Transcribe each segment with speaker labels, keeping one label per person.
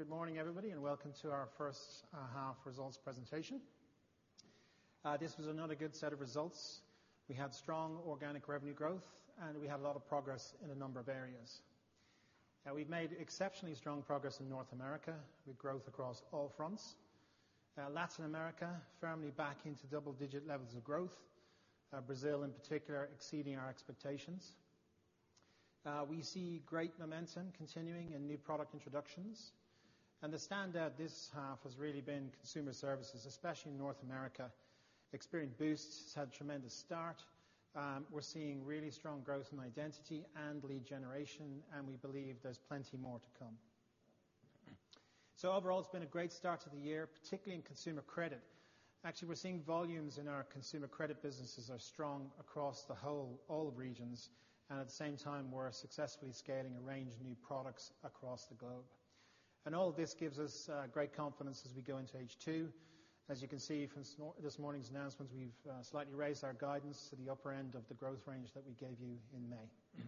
Speaker 1: Good morning, everybody, and welcome to our first half results presentation. This was another good set of results. We had strong organic revenue growth, and we had a lot of progress in a number of areas. Now we've made exceptionally strong progress in North America with growth across all fronts. Latin America firmly back into double-digit levels of growth, Brazil in particular exceeding our expectations. We see great momentum continuing in new product introductions. The standout this half has really been consumer services, especially in North America. Experian Boost has had a tremendous start. We're seeing really strong growth in identity and lead generation, and we believe there's plenty more to come. Overall, it's been a great start to the year, particularly in consumer credit. Actually, we're seeing volumes in our consumer credit businesses are strong across all regions. At the same time, we're successfully scaling a range of new products across the globe. All of this gives us great confidence as we go into H2. As you can see from this morning's announcements, we've slightly raised our guidance to the upper end of the growth range that we gave you in May.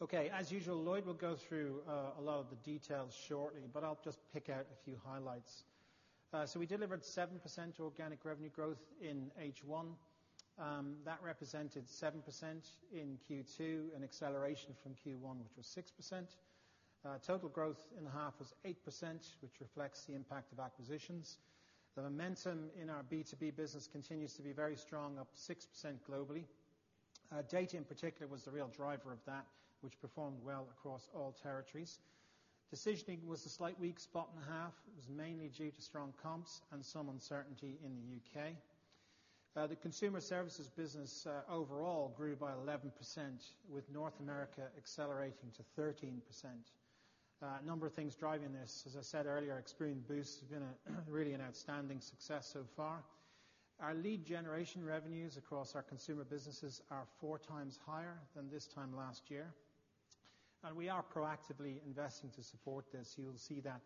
Speaker 1: Okay. As usual, Lloyd will go through a lot of the details shortly, but I'll just pick out a few highlights. We delivered 7% organic revenue growth in H1. That represented 7% in Q2, an acceleration from Q1, which was 6%. Total growth in the half was 8%, which reflects the impact of acquisitions. The momentum in our B2B business continues to be very strong, up to 6% globally. Data, in particular, was the real driver of that, which performed well across all territories. Decisioning was a slight weak spot in half. It was mainly due to strong comps and some uncertainty in the U.K. The consumer services business overall grew by 11%, with North America accelerating to 13%. A number of things driving this. As I said earlier, Experian Boost has been really an outstanding success so far. Our lead generation revenues across our consumer businesses are four times higher than this time last year. We are proactively investing to support this. You'll see that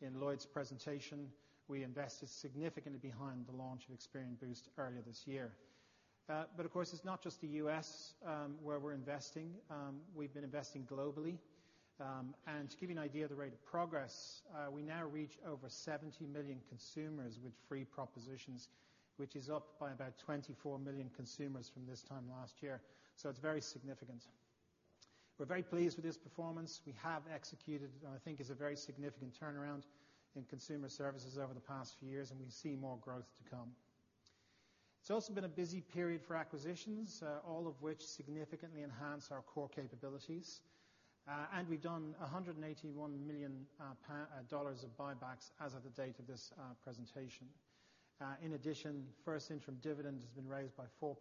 Speaker 1: in Lloyd's presentation. We invested significantly behind the launch of Experian Boost earlier this year. Of course, it's not just the U.S. where we're investing. We've been investing globally. To give you an idea of the rate of progress, we now reach over 70 million consumers with free propositions, which is up by about 24 million consumers from this time last year. It's very significant. We're very pleased with this performance. We have executed what I think is a very significant turnaround in consumer services over the past few years, and we see more growth to come. It's also been a busy period for acquisitions, all of which significantly enhance our core capabilities. We've done $181 million of buybacks as of the date of this presentation. In addition, first interim dividend has been raised by 4%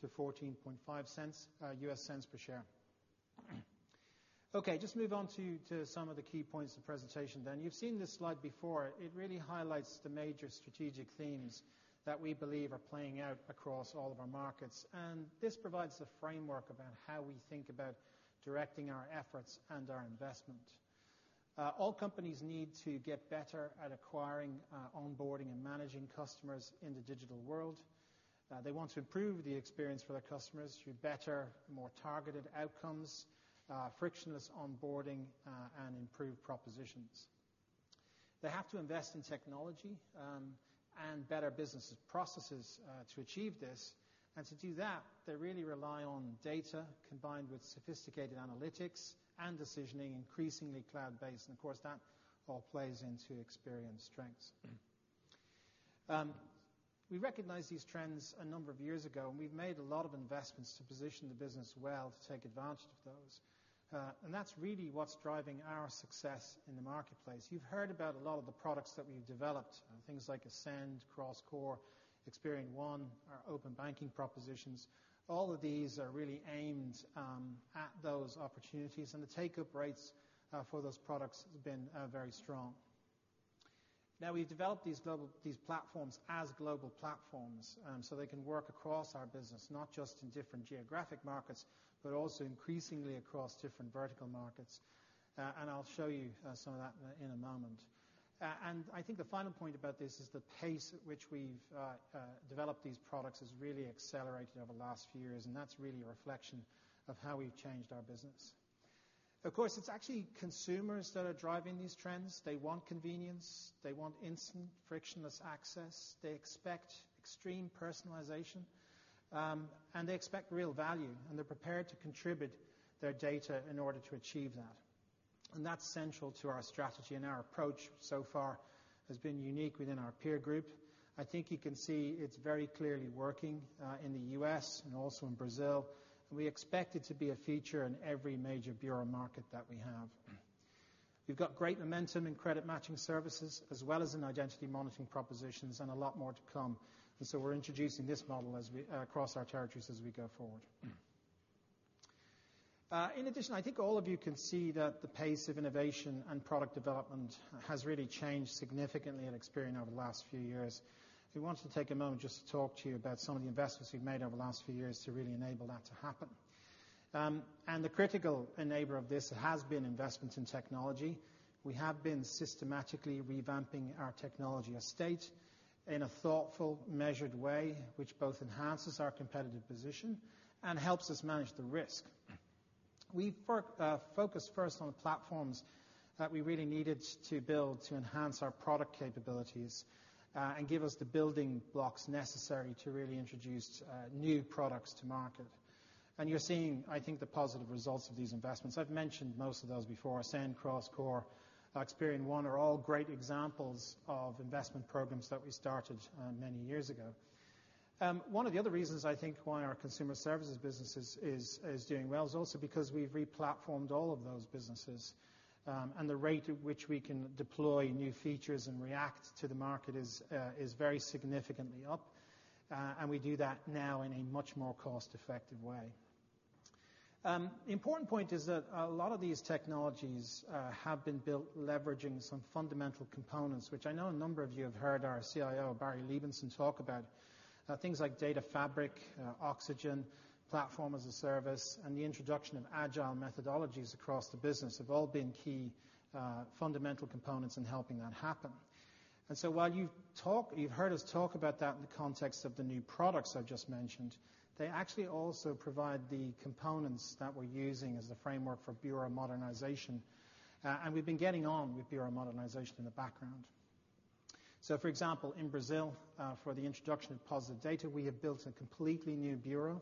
Speaker 1: to $0.145 per share. Okay, just move on to some of the key points of presentation then. You've seen this slide before. It really highlights the major strategic themes that we believe are playing out across all of our markets. This provides the framework about how we think about directing our efforts and our investment. All companies need to get better at acquiring, onboarding, and managing customers in the digital world. They want to improve the experience for their customers through better, more targeted outcomes, frictionless onboarding, and improved propositions. They have to invest in technology, and better business processes to achieve this. To do that, they really rely on data combined with sophisticated analytics and decisioning, increasingly cloud-based. Of course, that all plays into Experian's strengths. We recognized these trends a number of years ago, and we've made a lot of investments to position the business well to take advantage of those. That's really what's driving our success in the marketplace. You've heard about a lot of the products that we've developed, things like Ascend, CrossCore, Experian One, our open banking propositions. All of these are really aimed at those opportunities, and the take-up rates for those products has been very strong. We've developed these platforms as global platforms so they can work across our business, not just in different geographic markets, but also increasingly across different vertical markets. I'll show you some of that in a moment. I think the final point about this is the pace at which we've developed these products has really accelerated over the last few years, and that's really a reflection of how we've changed our business. Of course, it's actually consumers that are driving these trends. They want convenience. They want instant frictionless access. They expect extreme personalization, and they expect real value, and they're prepared to contribute their data in order to achieve that. That's central to our strategy, and our approach so far has been unique within our peer group. I think you can see it's very clearly working in the U.S. and also in Brazil. We expect it to be a feature in every major bureau market that we have. We've got great momentum in credit matching services as well as in identity monitoring propositions, and a lot more to come. We're introducing this model across our territories as we go forward. In addition, I think all of you can see that the pace of innovation and product development has really changed significantly at Experian over the last few years. We wanted to take a moment just to talk to you about some of the investments we've made over the last few years to really enable that to happen. The critical enabler of this has been investment in technology. We have been systematically revamping our technology estate in a thoughtful, measured way, which both enhances our competitive position and helps us manage the risk. We focused first on the platforms that we really needed to build to enhance our product capabilities, give us the building blocks necessary to really introduce new products to market. You're seeing, I think, the positive results of these investments. I've mentioned most of those before, Ascend, CrossCore, Experian One are all great examples of investment programs that we started many years ago. One of the other reasons I think why our consumer services business is doing well is also because we've re-platformed all of those businesses, and the rate at which we can deploy new features and react to the market is very significantly up. We do that now in a much more cost-effective way. Important point is that a lot of these technologies have been built leveraging some fundamental components, which I know a number of you have heard our CIO, Barry Libenson, talk about. Things like Data Fabric, Oxygen, Platform as a Service, and the introduction of agile methodologies across the business have all been key fundamental components in helping that happen. While you've heard us talk about that in the context of the new products I've just mentioned, they actually also provide the components that we're using as the framework for bureau modernization. We've been getting on with bureau modernization in the background. For example, in Brazil, for the introduction of positive data, we have built a completely new bureau.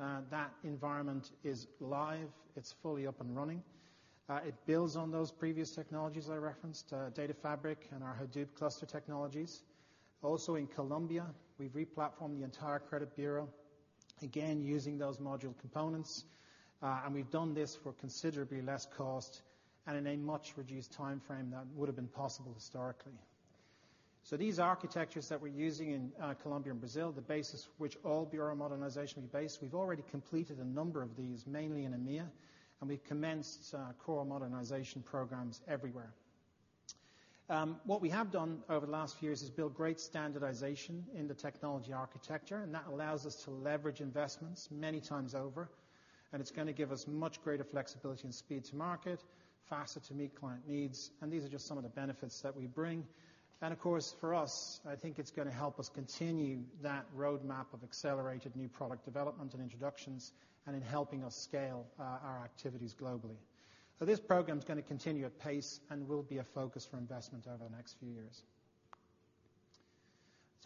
Speaker 1: That environment is live, it's fully up and running. It builds on those previous technologies I referenced, Data Fabric and our Hadoop cluster technologies. In Colombia, we've re-platformed the entire credit bureau, again, using those module components. We've done this for considerably less cost and in a much reduced timeframe that would've been possible historically. These architectures that we're using in Colombia and Brazil, the basis which all bureau modernization will be based, we've already completed a number of these, mainly in EMEA, and we've commenced core modernization programs everywhere. What we have done over the last few years is build great standardization in the technology architecture, and that allows us to leverage investments many times over, and it's going to give us much greater flexibility and speed to market, faster to meet client needs, and these are just some of the benefits that we bring. Of course, for us, I think it's going to help us continue that roadmap of accelerated new product development and introductions, and in helping us scale our activities globally. This program's going to continue at pace and will be a focus for investment over the next few years.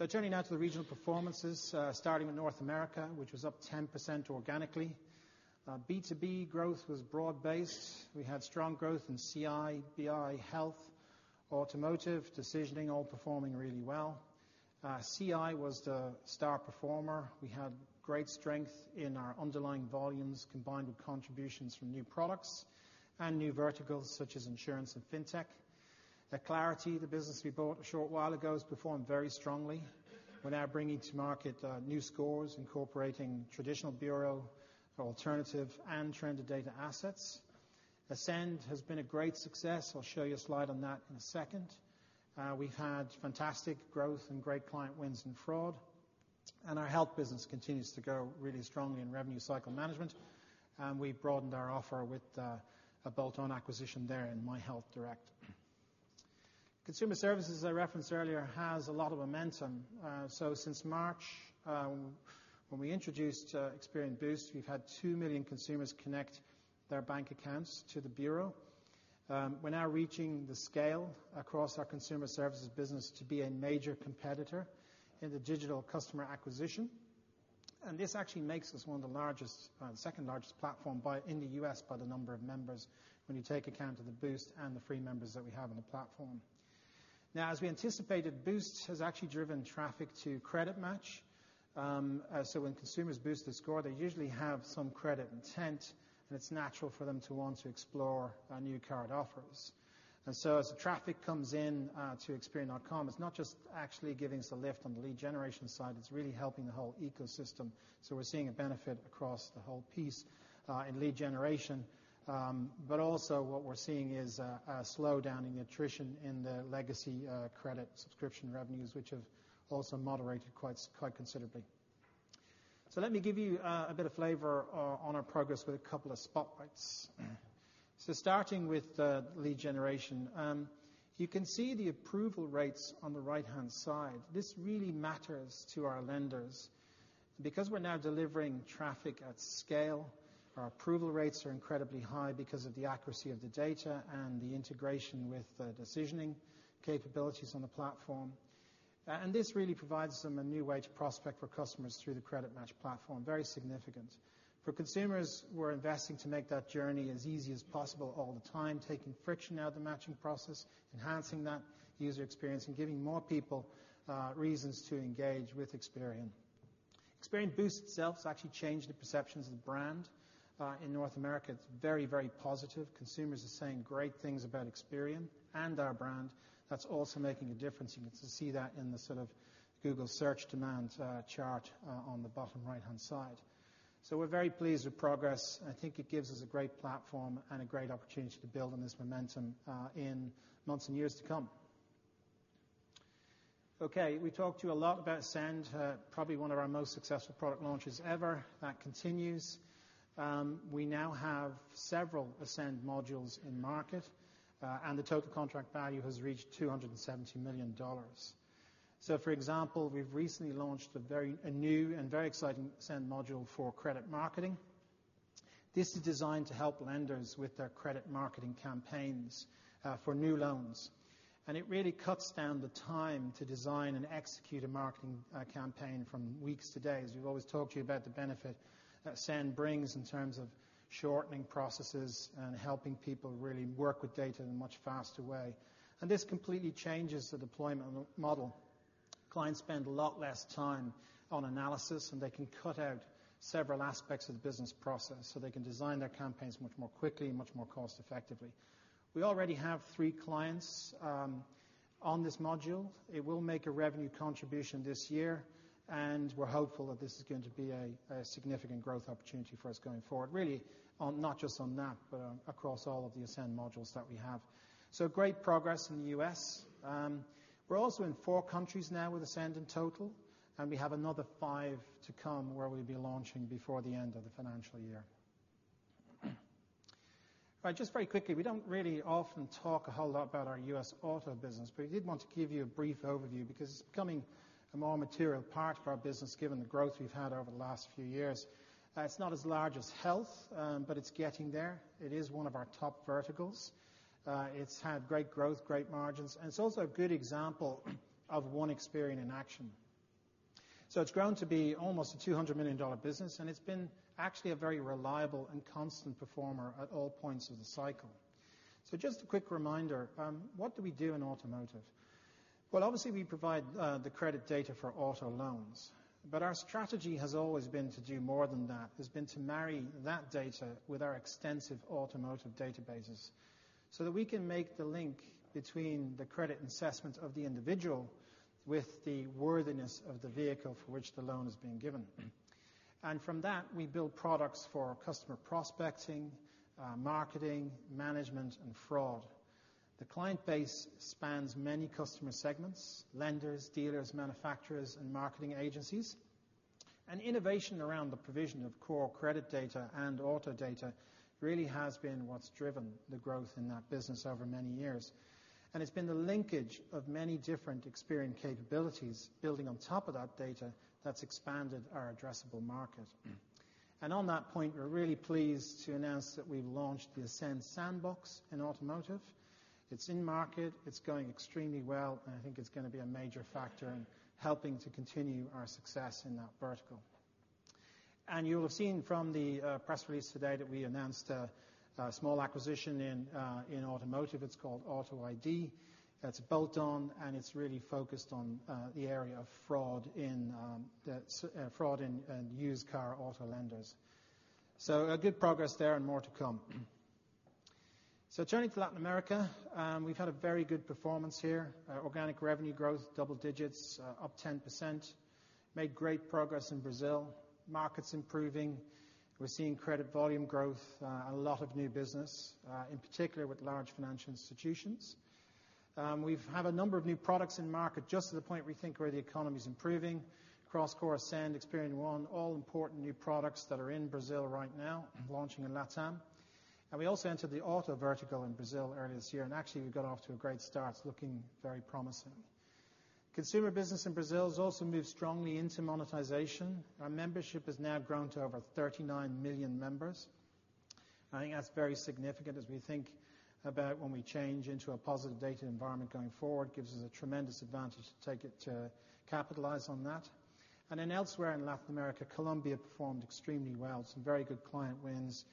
Speaker 1: Turning now to the regional performances, starting with North America, which was up 10% organically. B2B growth was broad-based. We had strong growth in CI, BI, health, automotive, decisioning, all performing really well. CI was the star performer. We had great strength in our underlying volumes combined with contributions from new products and new verticals such as insurance and fintech. The Clarity, the business we bought a short while ago, has performed very strongly. We're now bringing to market new scores incorporating traditional bureau, alternative, and trend data assets. Ascend has been a great success. I'll show you a slide on that in a second. We've had fantastic growth and great client wins in fraud. Our health business continues to grow really strongly in revenue cycle management, and we've broadened our offer with a bolt-on acquisition there in MyHealthDirect. Consumer services, as I referenced earlier, has a lot of momentum. Since March, when we introduced Experian Boost, we've had 2 million consumers connect their bank accounts to the bureau. We're now reaching the scale across our consumer services business to be a major competitor in the digital customer acquisition. This actually makes us one of the second-largest platform in the U.S. by the number of members when you take account of the Boost and the free members that we have on the platform. As we anticipated, Boost has actually driven traffic to CreditMatch. When consumers boost their score, they usually have some credit intent, and it's natural for them to want to explore our new card offers. As the traffic comes in to experian.com, it's not just actually giving us a lift on the lead generation side, it's really helping the whole ecosystem. We're seeing a benefit across the whole piece in lead generation. Also what we're seeing is a slowdown in attrition in the legacy credit subscription revenues, which have also moderated quite considerably. Let me give you a bit of flavor on our progress with a couple of spotlights. Starting with lead generation. You can see the approval rates on the right-hand side. This really matters to our lenders. Because we're now delivering traffic at scale, our approval rates are incredibly high because of the accuracy of the data and the integration with the decisioning capabilities on the platform. This really provides them a new way to prospect for customers through the CreditMatch platform, very significant. For consumers, we're investing to make that journey as easy as possible all the time, taking friction out of the matching process, enhancing that user experience, and giving more people reasons to engage with Experian. Experian Boost itself has actually changed the perceptions of the brand. In North America, it's very, very positive. Consumers are saying great things about Experian and our brand. That's also making a difference, and you can see that in the Google search demand chart on the bottom right-hand side. We're very pleased with progress, and I think it gives us a great platform and a great opportunity to build on this momentum in months and years to come. We talked to you a lot about Ascend, probably one of our most successful product launches ever. That continues. We now have several Ascend modules in market, and the total contract value has reached $270 million. For example, we've recently launched a new and very exciting Ascend module for credit marketing. This is designed to help lenders with their credit marketing campaigns for new loans. It really cuts down the time to design and execute a marketing campaign from weeks to days. We've always talked to you about the benefit that Ascend brings in terms of shortening processes and helping people really work with data in a much faster way. This completely changes the deployment model. Clients spend a lot less time on analysis, and they can cut out several aspects of the business process, so they can design their campaigns much more quickly and much more cost-effectively. We already have three clients on this module. It will make a revenue contribution this year, and we're hopeful that this is going to be a significant growth opportunity for us going forward. Really, not just on that, but across all of the Ascend modules that we have. Great progress in the U.S. We're also in four countries now with Ascend in total, and we have another five to come where we'll be launching before the end of the financial year. Just very quickly, we don't really often talk a whole lot about our US auto business, but we did want to give you a brief overview because it's becoming a more material part of our business given the growth we've had over the last few years. It's not as large as health, but it's getting there. It is one of our top verticals. It's had great growth, great margins, and it's also a good example of One Experian in action. It's grown to be almost a $200 million business, and it's been actually a very reliable and constant performer at all points of the cycle. Just a quick reminder, what do we do in automotive? Obviously we provide the credit data for auto loans. Our strategy has always been to do more than that. It's been to marry that data with our extensive automotive databases so that we can make the link between the credit assessment of the individual with the worthiness of the vehicle for which the loan is being given. From that, we build products for customer prospecting, marketing, management, and fraud. The client base spans many customer segments, lenders, dealers, manufacturers, and marketing agencies. Innovation around the provision of core credit data and auto data really has been what's driven the growth in that business over many years. It's been the linkage of many different Experian capabilities building on top of that data that's expanded our addressable market. On that point, we're really pleased to announce that we've launched the Ascend Sandbox in automotive. It's in market, it's going extremely well, and I think it's going to be a major factor in helping to continue our success in that vertical. You'll have seen from the press release today that we announced a small acquisition in automotive. It's called Auto I.D. It's a bolt-on, and it's really focused on the area of fraud in used car auto lenders. A good progress there and more to come. Turning to Latin America, we've had a very good performance here. Organic revenue growth, double digits, up 10%. Made great progress in Brazil. Market's improving. We're seeing credit volume growth, a lot of new business, in particular with large financial institutions. We have a number of new products in market just at the point we think where the economy is improving. CrossCore, Ascend, Experian One, all important new products that are in Brazil right now, launching in LATAM. We also entered the auto vertical in Brazil earlier this year, actually we've got off to a great start, looking very promising. Consumer business in Brazil has also moved strongly into monetization. Our membership has now grown to over 39 million members. I think that's very significant as we think about when we change into a positive data environment going forward, gives us a tremendous advantage to take it to capitalize on that. Elsewhere in Latin America, Colombia performed extremely well. Some very good client wins.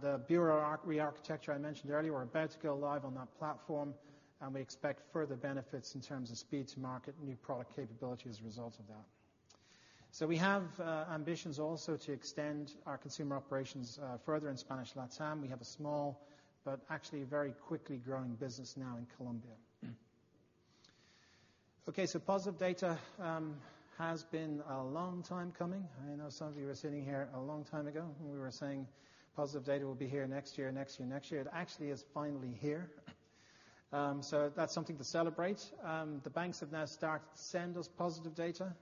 Speaker 1: The bureau re-architecture I mentioned earlier, we're about to go live on that platform, we expect further benefits in terms of speed to market, new product capability as a result of that. We have ambitions also to extend our consumer operations further in Spanish LATAM. We have a small but actually very quickly growing business now in Colombia. Positive data has been a long time coming. I know some of you were sitting here a long time ago when we were saying positive data will be here next year, next year, next year. It actually is finally here. That's something to celebrate. The banks have now started to send us positive data.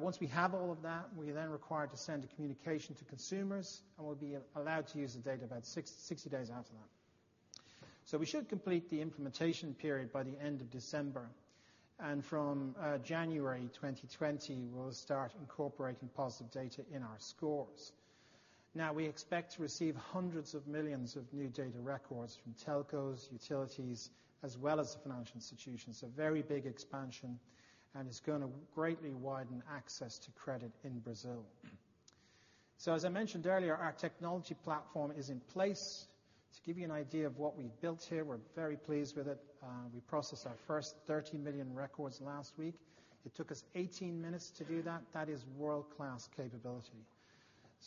Speaker 1: Once we have all of that, we are then required to send a communication to consumers, and we'll be allowed to use the data about 60 days after that. We should complete the implementation period by the end of December. From January 2020, we'll start incorporating positive data in our scores. We expect to receive hundreds of millions of new data records from telcos, utilities, as well as the financial institutions. A very big expansion. It's going to greatly widen access to credit in Brazil. As I mentioned earlier, our technology platform is in place. To give you an idea of what we built here, we're very pleased with it. We processed our first 30 million records last week. It took us 18 minutes to do that. That is world-class capability.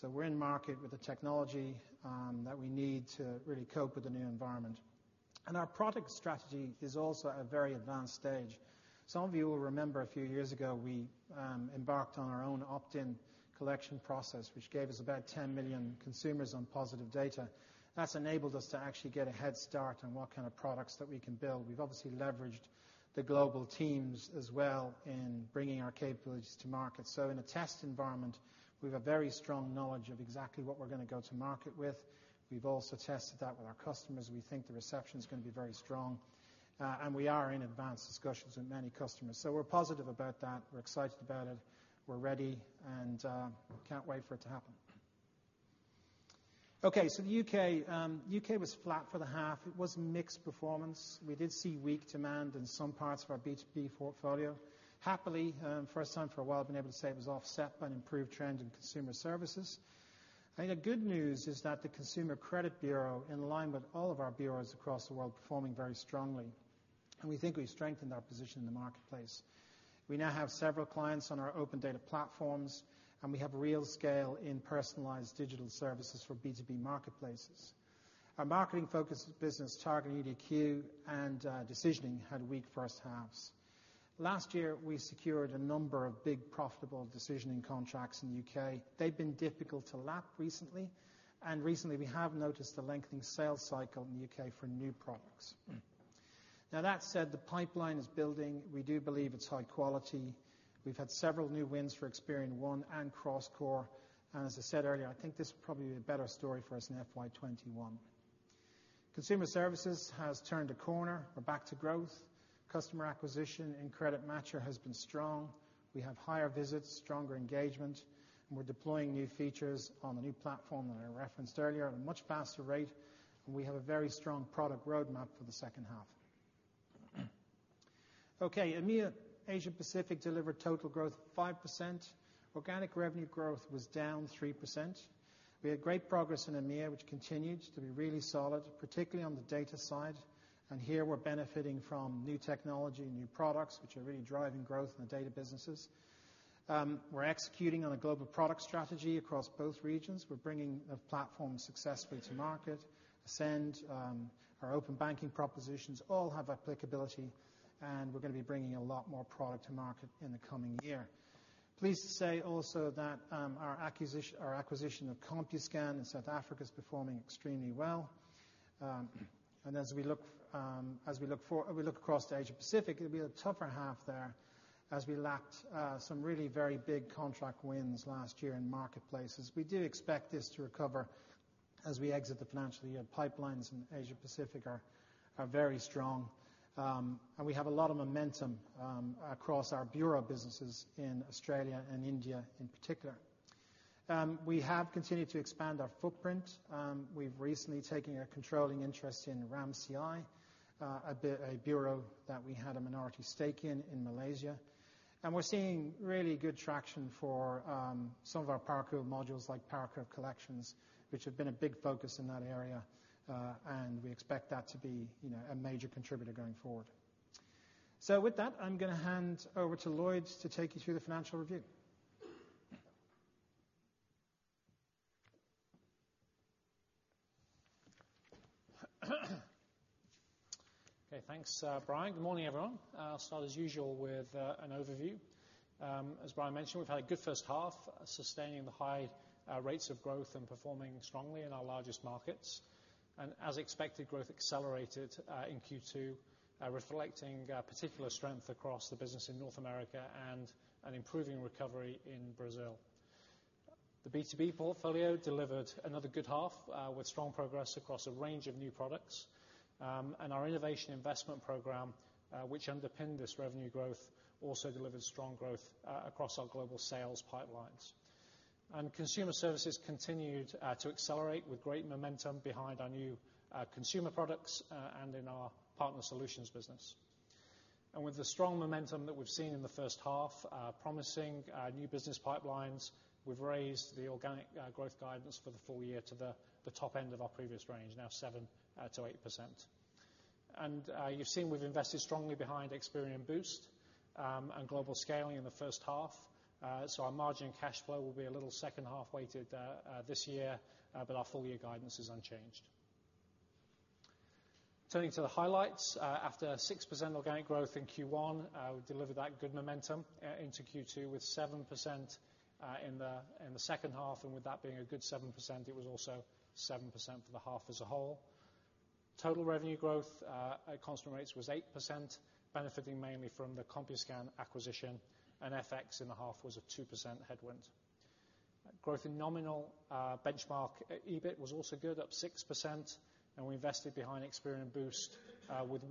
Speaker 1: We're in market with the technology that we need to really cope with the new environment. Our product strategy is also at a very advanced stage. Some of you will remember a few years ago, we embarked on our own opt-in collection process, which gave us about 10 million consumers on positive data. That's enabled us to actually get a head start on what kind of products that we can build. We've obviously leveraged the global teams as well in bringing our capabilities to market. In a test environment, we have a very strong knowledge of exactly what we're going to go to market with. We've also tested that with our customers. We think the reception is going to be very strong. We are in advanced discussions with many customers. We're positive about that. We're excited about it. We're ready, and can't wait for it to happen. Okay. The U.K. was flat for the half. It was a mixed performance. We did see weak demand in some parts of our B2B portfolio. Happily, first time for a while been able to say it was offset by an improved trend in consumer services. I think the good news is that the Consumer Credit Bureau, in line with all of our bureaus across the world, performing very strongly. We think we've strengthened our position in the marketplace. We now have several clients on our open data platforms, and we have real scale in personalized digital services for B2B marketplaces. Our marketing focused business, Targeting, EDQ, and Decisioning, had weak first halves. Last year, we secured a number of big profitable Decisioning contracts in the U.K. They've been difficult to lap recently. Recently we have noticed a lengthening sales cycle in the U.K. for new products. Now that said, the pipeline is building. We do believe it's high quality. We've had several new wins for Experian One and CrossCore. As I said earlier, I think this will probably be a better story for us in FY 2021. Consumer services has turned a corner. We're back to growth. Customer acquisition and CreditMatcher has been strong. We have higher visits, stronger engagement, and we're deploying new features on the new platform that I referenced earlier at a much faster rate. We have a very strong product roadmap for the second half. Okay, EMEA, Asia Pacific delivered total growth 5%. Organic revenue growth was down 3%. We had great progress in EMEA, which continued to be really solid, particularly on the data side. Here we're benefiting from new technology and new products, which are really driving growth in the data businesses. We're executing on a global product strategy across both regions. We're bringing a platform successfully to market. Ascend, our open banking propositions all have applicability, and we're going to be bringing a lot more product to market in the coming year. Pleased to say also that our acquisition of Compuscan in South Africa is performing extremely well. As we look across to Asia Pacific, it'll be a tougher half there as we lapped some really very big contract wins last year in marketplaces. We do expect this to recover as we exit the financial year. Pipelines in Asia Pacific are very strong. We have a lot of momentum across our bureau businesses in Australia and India in particular. We have continued to expand our footprint. We've recently taken a controlling interest in RAMCI, a bureau that we had a minority stake in Malaysia. We're seeing really good traction for some of our PowerCurve modules like PowerCurve Collections, which have been a big focus in that area. We expect that to be a major contributor going forward. With that, I'm going to hand over to Lloyd to take you through the financial review.
Speaker 2: Okay, thanks, Brian. Good morning, everyone. I'll start as usual with an overview. As Brian mentioned, we've had a good first half, sustaining the high rates of growth and performing strongly in our largest markets. As expected, growth accelerated in Q2, reflecting particular strength across the business in North America and an improving recovery in Brazil. The B2B portfolio delivered another good half, with strong progress across a range of new products. Our innovation investment program, which underpinned this revenue growth, also delivered strong growth across our global sales pipelines. Consumer services continued to accelerate with great momentum behind our new consumer products and in our partner solutions business. With the strong momentum that we've seen in the first half, promising new business pipelines, we've raised the organic growth guidance for the full year to the top end of our previous range, now 7%-8%. You've seen we've invested strongly behind Experian Boost, and global scaling in the first half. Our margin cash flow will be a little second half weighted this year, but our full-year guidance is unchanged. Turning to the highlights. After 6% organic growth in Q1, we delivered that good momentum into Q2 with 7% in the second half. With that being a good 7%, it was also 7% for the half as a whole. Total revenue growth at constant rates was 8%, benefiting mainly from the Compuscan acquisition, and FX in the half was a 2% headwind. Growth in nominal benchmark EBIT was also good, up 6%, and we invested behind Experian Boost with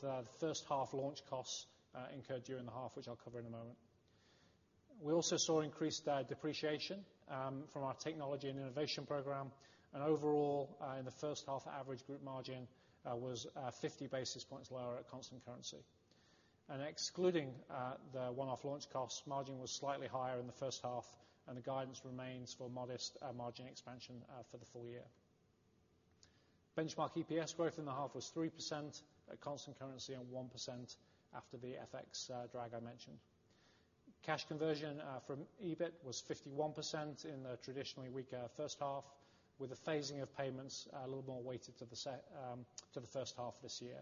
Speaker 2: the first half launch costs incurred during the half, which I'll cover in a moment. We also saw increased depreciation from our technology and innovation program. Overall, in the first half, average group margin was 50 basis points lower at constant currency. Excluding the one-off launch costs, margin was slightly higher in the first half, and the guidance remains for modest margin expansion for the full year. Benchmark EPS growth in the half was 3% at constant currency and 1% after the FX drag I mentioned. Cash conversion from EBIT was 51% in the traditionally weaker first half, with the phasing of payments a little more weighted to the first half this year.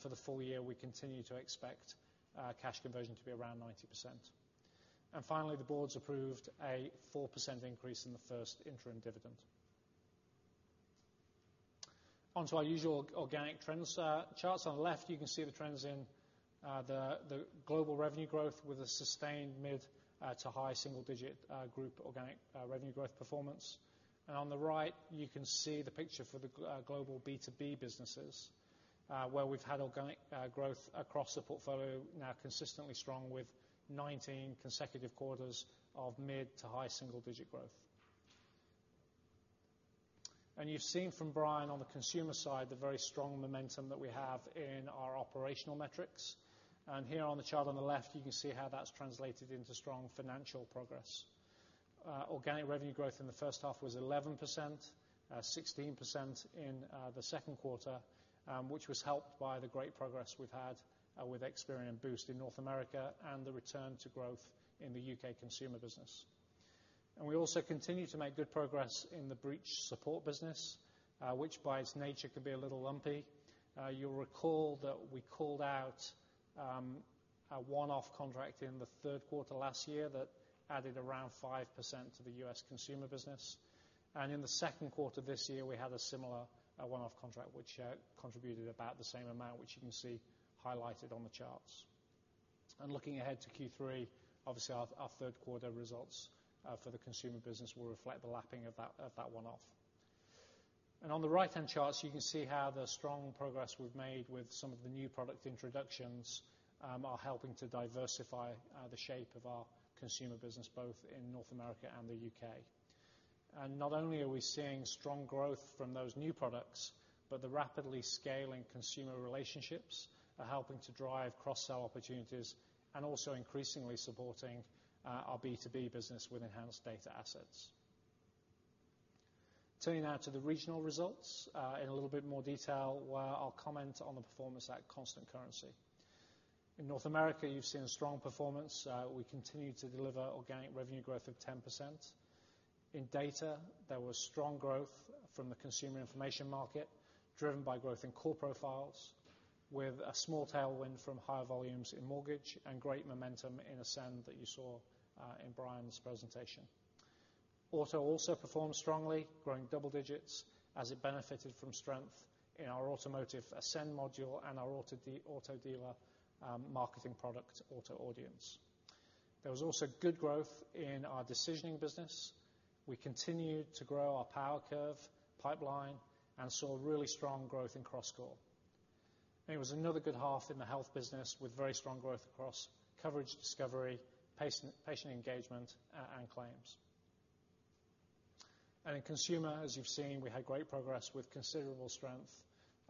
Speaker 2: For the full year, we continue to expect cash conversion to be around 90%. Finally, the boards approved a 4% increase in the first interim dividend. On to our usual organic trends charts. On the left, you can see the trends in the global revenue growth with a sustained mid-to-high single-digit group organic revenue growth performance. On the right, you can see the picture for the global B2B businesses, where we've had organic growth across the portfolio now consistently strong with 19 consecutive quarters of mid to high single-digit growth. You've seen from Brian, on the consumer side, the very strong momentum that we have in our operational metrics. Here on the chart on the left, you can see how that's translated into strong financial progress. Organic revenue growth in the first half was 11%, 16% in the second quarter, which was helped by the great progress we've had with Experian Boost in North America and the return to growth in the U.K. consumer business. We also continue to make good progress in the breach support business, which by its nature can be a little lumpy. You'll recall that we called out a one-off contract in the third quarter last year that added around 5% to the U.S. consumer business. In the second quarter this year, we had a similar one-off contract which contributed about the same amount, which you can see highlighted on the charts. Looking ahead to Q3, obviously our third quarter results for the consumer business will reflect the lapping of that one-off. On the right-hand charts, you can see how the strong progress we've made with some of the new product introductions are helping to diversify the shape of our consumer business, both in North America and the U.K. Not only are we seeing strong growth from those new products, but the rapidly scaling consumer relationships are helping to drive cross-sell opportunities and also increasingly supporting our B2B business with enhanced data assets. Turning now to the regional results, in a little bit more detail, where I'll comment on the performance at constant currency. In North America, you've seen a strong performance. We continue to deliver organic revenue growth of 10%. In data, there was strong growth from the consumer information market, driven by growth in core profiles, with a small tailwind from higher volumes in mortgage and great momentum in Ascend that you saw in Brian's presentation. Auto also performed strongly, growing double digits as it benefited from strength in our automotive Ascend module and our auto dealer marketing product, Auto Audiences. There was also good growth in our decisioning business. We continued to grow our PowerCurve pipeline and saw really strong growth in CrossCore. It was another good half in the health business, with very strong growth across coverage discovery, patient engagement, and claims. In consumer, as you've seen, we had great progress with considerable strength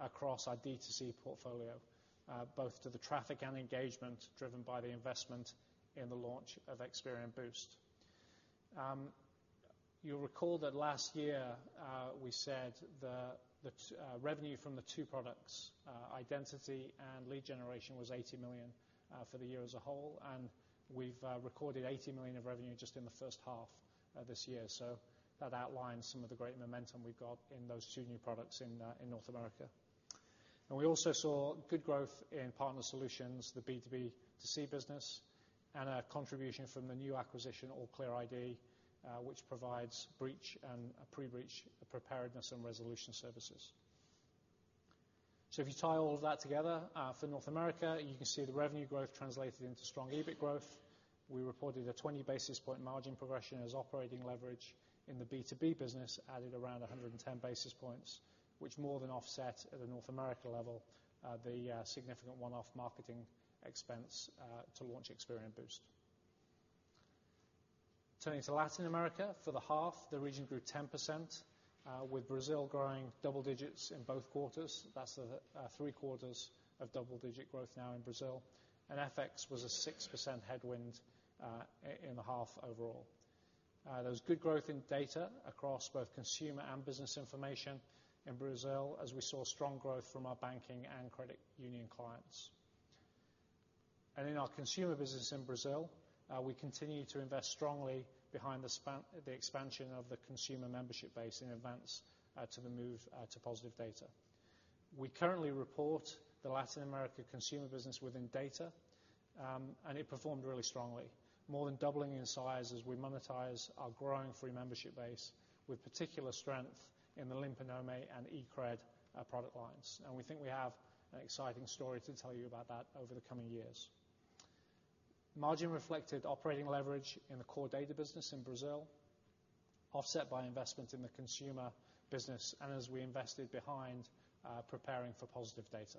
Speaker 2: across our D2C portfolio, both to the traffic and engagement driven by the investment in the launch of Experian Boost. You'll recall that last year, we said that revenue from the two products, identity and lead generation, was $80 million for the year as a whole, and we've recorded $80 million of revenue just in the first half of this year. That outlines some of the great momentum we've got in those two new products in North America. We also saw good growth in partner solutions, the B2B2C business, and a contribution from the new acquisition, AllClearID, which provides breach and pre-breach preparedness and resolution services. If you tie all of that together for North America, you can see the revenue growth translated into strong EBIT growth. We reported a 20 basis point margin progression as operating leverage in the B2B business, adding around 110 basis points, which more than offset at a North America level, the significant one-off marketing expense to launch Experian Boost. Turning to Latin America, for the half, the region grew 10%, with Brazil growing double digits in both quarters. That's three quarters of double-digit growth now in Brazil, and FX was a 6% headwind in the half, overall. There was good growth in data across both consumer and business information in Brazil, as we saw strong growth from our banking and credit union clients. In our consumer business in Brazil, we continue to invest strongly behind the expansion of the consumer membership base in advance to the move to positive data. We currently report the Latin America consumer business within data, and it performed really strongly, more than doubling in size as we monetize our growing free membership base, with particular strength in the Limpa Nome and eCred product lines. We think we have an exciting story to tell you about that over the coming years. Margin reflected operating leverage in the core data business in Brazil, offset by investment in the consumer business and as we invested behind preparing for positive data.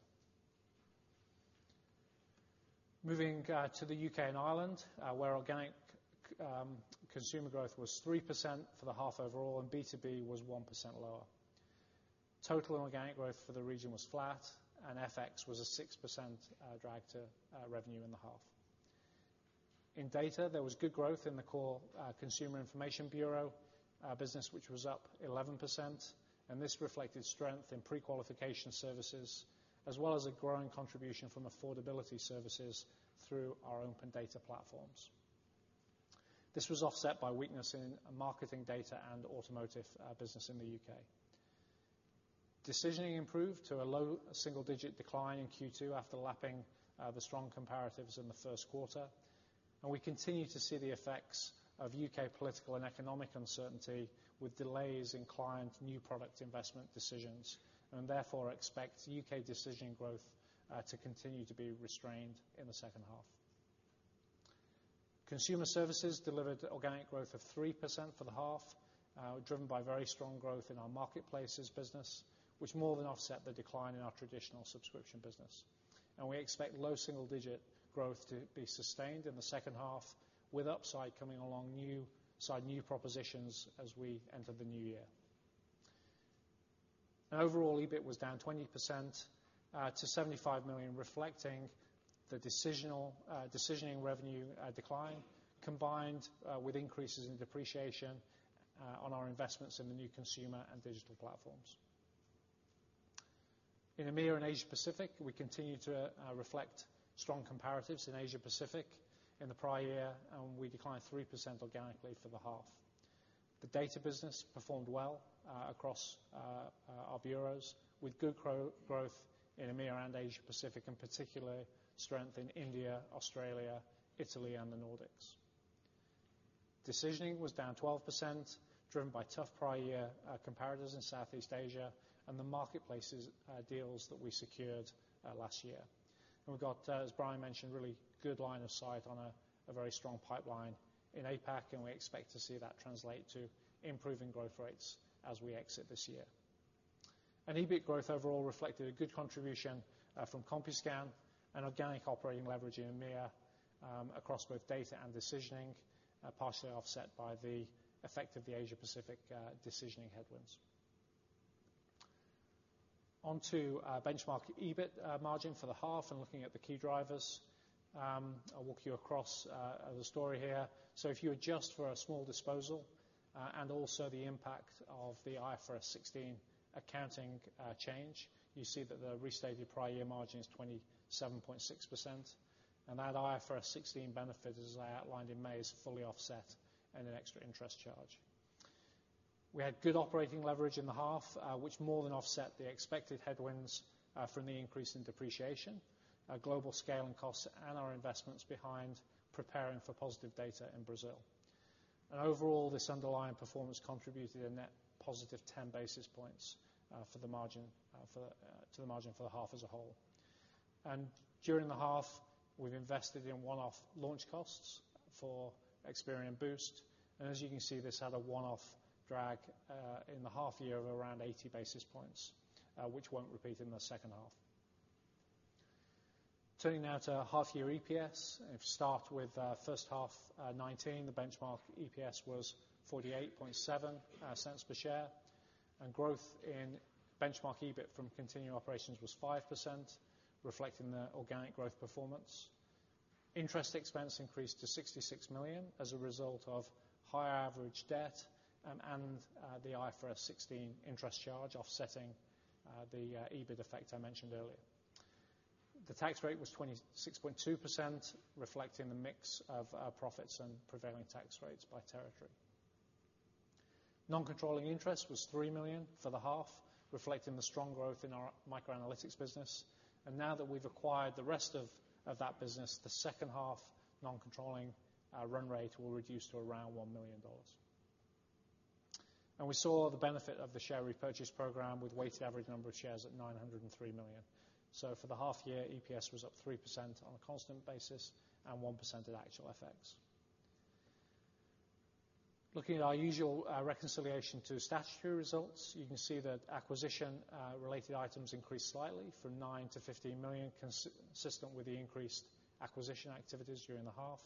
Speaker 2: Moving to the U.K. and Ireland, where organic consumer growth was 3% for the half overall and B2B was 1% lower. Total organic growth for the region was flat, FX was a 6% drag to revenue in the half. In data, there was good growth in the core Consumer Information Bureau business, which was up 11%. This reflected strength in pre-qualification services, as well as a growing contribution from affordability services through our open data platforms. This was offset by weakness in marketing data and automotive business in the U.K. Decisioning improved to a low single-digit decline in Q2 after lapping the strong comparatives in the first quarter. We continue to see the effects of U.K. political and economic uncertainty with delays in client new product investment decisions. Therefore, expect U.K. decision growth to continue to be restrained in the second half. Consumer services delivered organic growth of 3% for the half, driven by very strong growth in our marketplaces business, which more than offset the decline in our traditional subscription business. We expect low single-digit growth to be sustained in the second half, with upside coming along new propositions as we enter the new year. Overall, EBIT was down 20% to 75 million, reflecting the decisioning revenue decline, combined with increases in depreciation on our investments in the new consumer and digital platforms. In EMEA and Asia Pacific, we continue to reflect strong comparatives in Asia Pacific in the prior year, and we declined 3% organically for the half. The data business performed well across our bureaus, with good growth in EMEA and Asia Pacific, and particularly strength in India, Australia, Italy, and the Nordics. Decisioning was down 12%, driven by tough prior year comparatives in Southeast Asia and the marketplaces deals that we secured last year. We've got, as Brian mentioned, really good line of sight on a very strong pipeline in APAC, and we expect to see that translate to improving growth rates as we exit this year. EBIT growth overall reflected a good contribution from Compuscan and organic operating leverage in EMEA across both data and decisioning, partially offset by the effect of the Asia Pacific decisioning headwinds. On to benchmark EBIT margin for the half and looking at the key drivers. I'll walk you across the story here. If you adjust for a small disposal and also the impact of the IFRS 16 accounting change, you see that the restated prior year margin is 27.6%. That IFRS 16 benefit, as I outlined in May, is fully offset and an extra interest charge. We had good operating leverage in the half, which more than offset the expected headwinds from the increase in depreciation, global scaling costs, and our investments behind preparing for positive data in Brazil. Overall, this underlying performance contributed a net positive 10 basis points to the margin for the half as a whole. During the half, we've invested in one-off launch costs for Experian Boost. As you can see, this had a one-off drag in the half year of around 80 basis points, which won't repeat in the second half. Turning now to half year EPS. If you start with first half 2019, the benchmark EPS was $0.487 per share. Growth in benchmark EBIT from continuing operations was 5%, reflecting the organic growth performance. Interest expense increased to 66 million as a result of higher average debt and the IFRS 16 interest charge offsetting the EBIT effect I mentioned earlier. The tax rate was 26.2%, reflecting the mix of our profits and prevailing tax rates by territory. Non-controlling interest was 3 million for the half, reflecting the strong growth in our MicroAnalytics business. Now that we've acquired the rest of that business, the second half non-controlling run rate will reduce to around GBP 1 million. We saw the benefit of the share repurchase program with weighted average number of shares at 903 million. For the half year, EPS was up 3% on a constant basis and 1% at actual effects. Looking at our usual reconciliation to statutory results, you can see that acquisition-related items increased slightly from 9 million to 15 million, consistent with the increased acquisition activities during the half.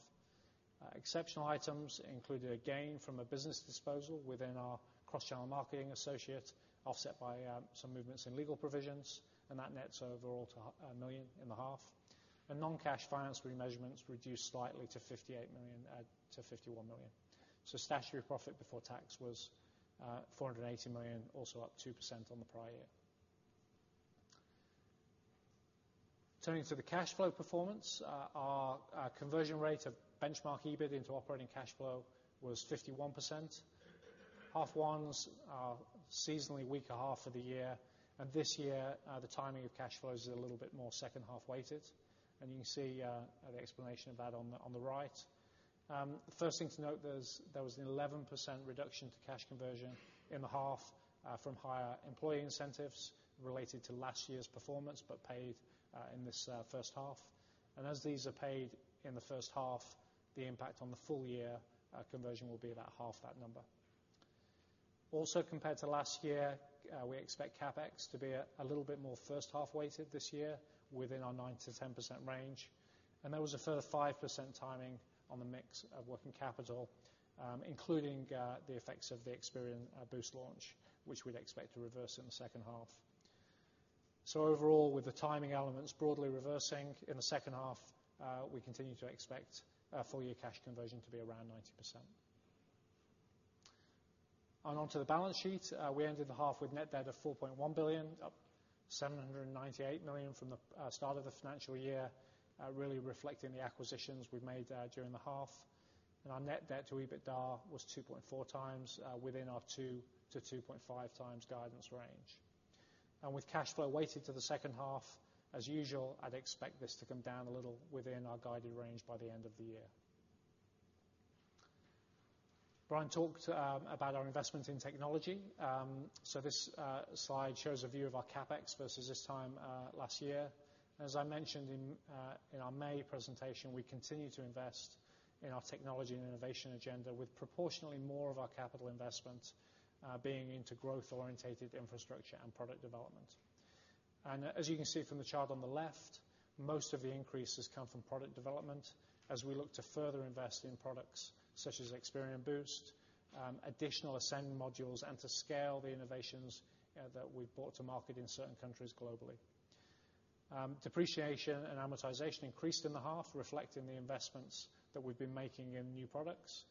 Speaker 2: Exceptional items included a gain from a business disposal within our cross-channel marketing associate, offset by some movements in legal provisions, that nets overall to 1 million in the half. Non-cash finance remeasurements reduced slightly to 58 million, to 51 million. Statutory profit before tax was 480 million, also up 2% on the prior year. Turning to the cash flow performance. Our conversion rate of benchmark EBIT into operating cash flow was 51%. Half ones are seasonally weaker half of the year, this year the timing of cash flows is a little bit more second half-weighted, you can see an explanation of that on the right. First thing to note, there was an 11% reduction to cash conversion in the half from higher employee incentives related to last year's performance, but paid in this first half. As these are paid in the first half, the impact on the full year conversion will be about half that number. Also compared to last year, we expect CapEx to be a little bit more first half-weighted this year within our 9%-10% range. There was a further 5% timing on the mix of working capital, including the effects of the Experian Boost launch, which we'd expect to reverse in the second half. Overall, with the timing elements broadly reversing in the second half, we continue to expect full year cash conversion to be around 90%. On to the balance sheet. We ended the half with net debt of $4.1 billion, up $798 million from the start of the financial year, really reflecting the acquisitions we've made during the half. Our net debt to EBITDA was 2.4 times within our 2-2.5 times guidance range. With cash flow weighted to the second half, as usual, I'd expect this to come down a little within our guided range by the end of the year. Brian talked about our investment in technology. This slide shows a view of our CapEx versus this time last year. As I mentioned in our May presentation, we continue to invest in our technology and innovation agenda, with proportionally more of our capital investment being into growth-orientated infrastructure and product development. As you can see from the chart on the left, most of the increases come from product development as we look to further invest in products such as Experian Boost, additional Ascend modules, and to scale the innovations that we've brought to market in certain countries globally. Depreciation and amortization increased in the half, reflecting the investments that we've been making in new products,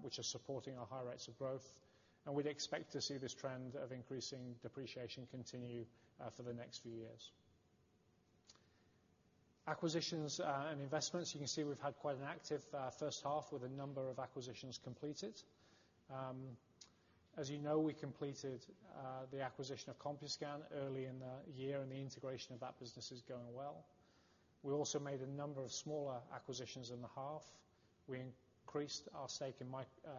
Speaker 2: which are supporting our high rates of growth. We'd expect to see this trend of increasing depreciation continue for the next few years. Acquisitions and investments. You can see we've had quite an active first half with a number of acquisitions completed. As you know, we completed the acquisition of Compuscan early in the year, and the integration of that business is going well. We also made a number of smaller acquisitions in the half. We increased our stake in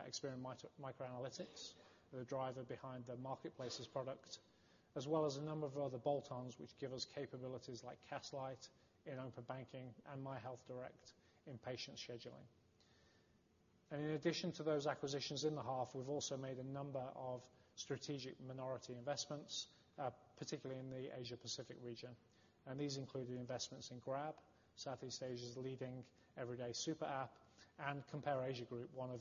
Speaker 2: Experian MicroAnalytics, the driver behind the Marketplaces product, as well as a number of other bolt-ons which give us capabilities like Castlight in open banking and MyHealthDirect in patient scheduling. In addition to those acquisitions in the half, we've also made a number of strategic minority investments, particularly in the Asia Pacific region. These include the investments in Grab, Southeast Asia's leading everyday super app, and CompareAsiaGroup, one of